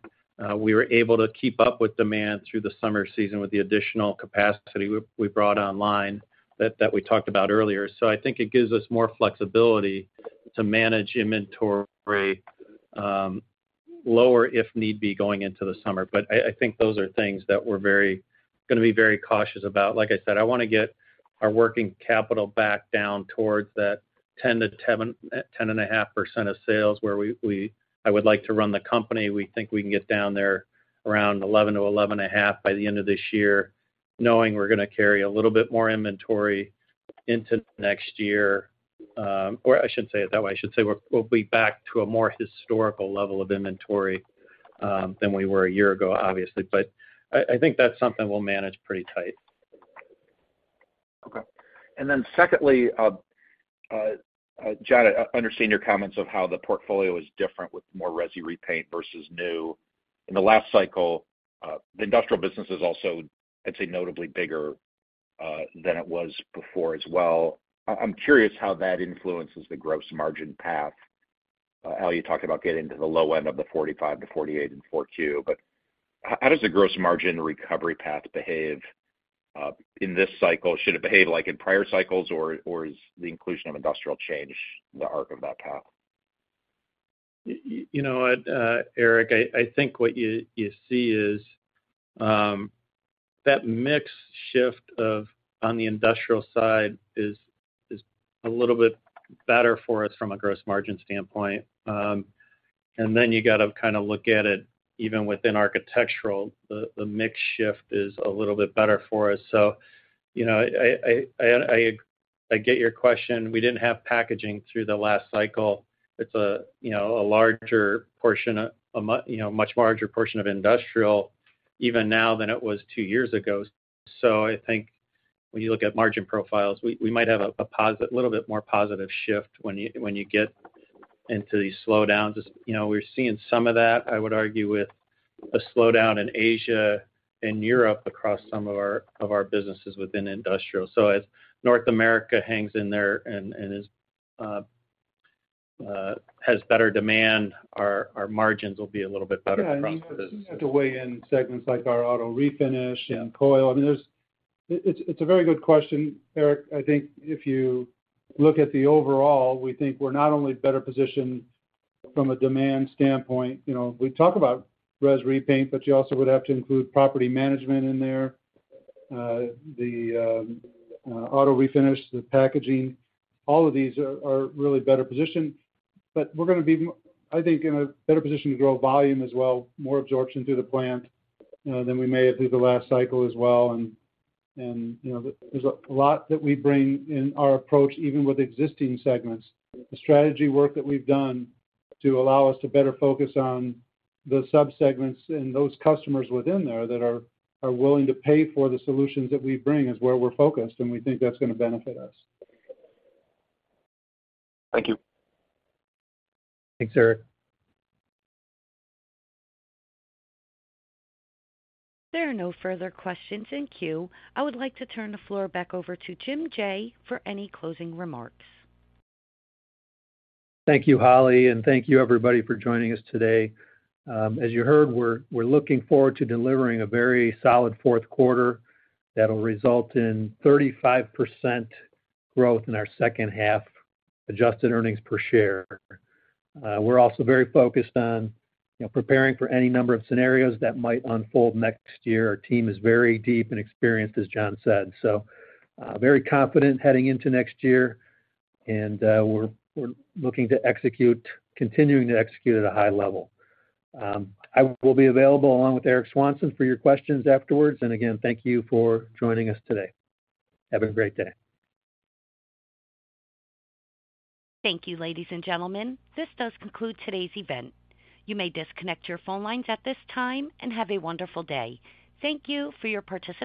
we were able to keep up with demand through the summer season with the additional capacity we brought online that we talked about earlier. I think it gives us more flexibility to manage inventory, lower if need be, going into the summer. I think those are things that we're gonna be very cautious about. Like I said, I wanna get our working capital back down towards that 10.5% of sales where I would like to run the company. We think we can get down there around 11%-11.5% by the end of this year, knowing we're gonna carry a little bit more inventory into next year. I shouldn't say it that way, I should say we'll be back to a more historical level of inventory than we were a year ago, obviously. I think that's something we'll manage pretty tight. Okay. Secondly, John, I understand your comments of how the portfolio is different with more resi repaint versus new. In the last cycle, the industrial business is also, I'd say, notably bigger than it was before as well. I'm curious how that influences the gross margin path. Al, you talked about getting to the low end of the 45% to 48% in 4Q. How does the gross margin recovery path behave in this cycle? Should it behave like in prior cycles, or is the inclusion of industrial change the arc of that path? You know what, Eric, I think what you see is that mix shift on the industrial side is a little bit better for us from a gross margin standpoint. You gotta kinda look at it even within architectural, the mix shift is a little bit better for us. You know, I get your question. We didn't have packaging through the last cycle. It's a larger portion of industrial even now than it was two years ago. I think when you look at margin profiles, we might have a little bit more positive shift when you get into these slowdowns. As you know, we're seeing some of that, I would argue, with a slowdown in Asia and Europe across some of our businesses within industrial. As North America hangs in there and has better demand, our margins will be a little bit better from the business. Yeah, you have to weigh in segments like our Auto Refinish. Yeah. and Coil. I mean, there's. It's a very good question, Eric. I think if you look at the overall, we think we're not only better positioned from a demand standpoint. You know, we talk about res repaint, but you also would have to include property management in there. The auto refinish, the Packaging, all of these are really better positioned. But we're gonna be, I think, in a better position to grow volume as well, more absorption through the plant, you know, than we may have through the last cycle as well. You know, there's a lot that we bring in our approach, even with existing segments. The strategy work that we've done to allow us to better focus on the sub-segments and those customers within there that are willing to pay for the solutions that we bring is where we're focused, and we think that's gonna benefit us. Thank you. Thanks, Eric. There are no further questions in queue. I would like to turn the floor back over to James Jaye for any closing remarks. Thank you, Holly, and thank you everybody for joining us today. As you heard, we're looking forward to delivering a very solid fourth quarter that'll result in 35% growth in our second half adjusted earnings per share. We're also very focused on, you know, preparing for any number of scenarios that might unfold next year. Our team is very deep and experienced, as John said. Very confident heading into next year, and we're looking to execute, continuing to execute at a high level. I will be available along with Eric Swanson for your questions afterwards. Again, thank you for joining us today. Have a great day. Thank you, ladies and gentlemen. This does conclude today's event. You may disconnect your phone lines at this time, and have a wonderful day. Thank you for your participation.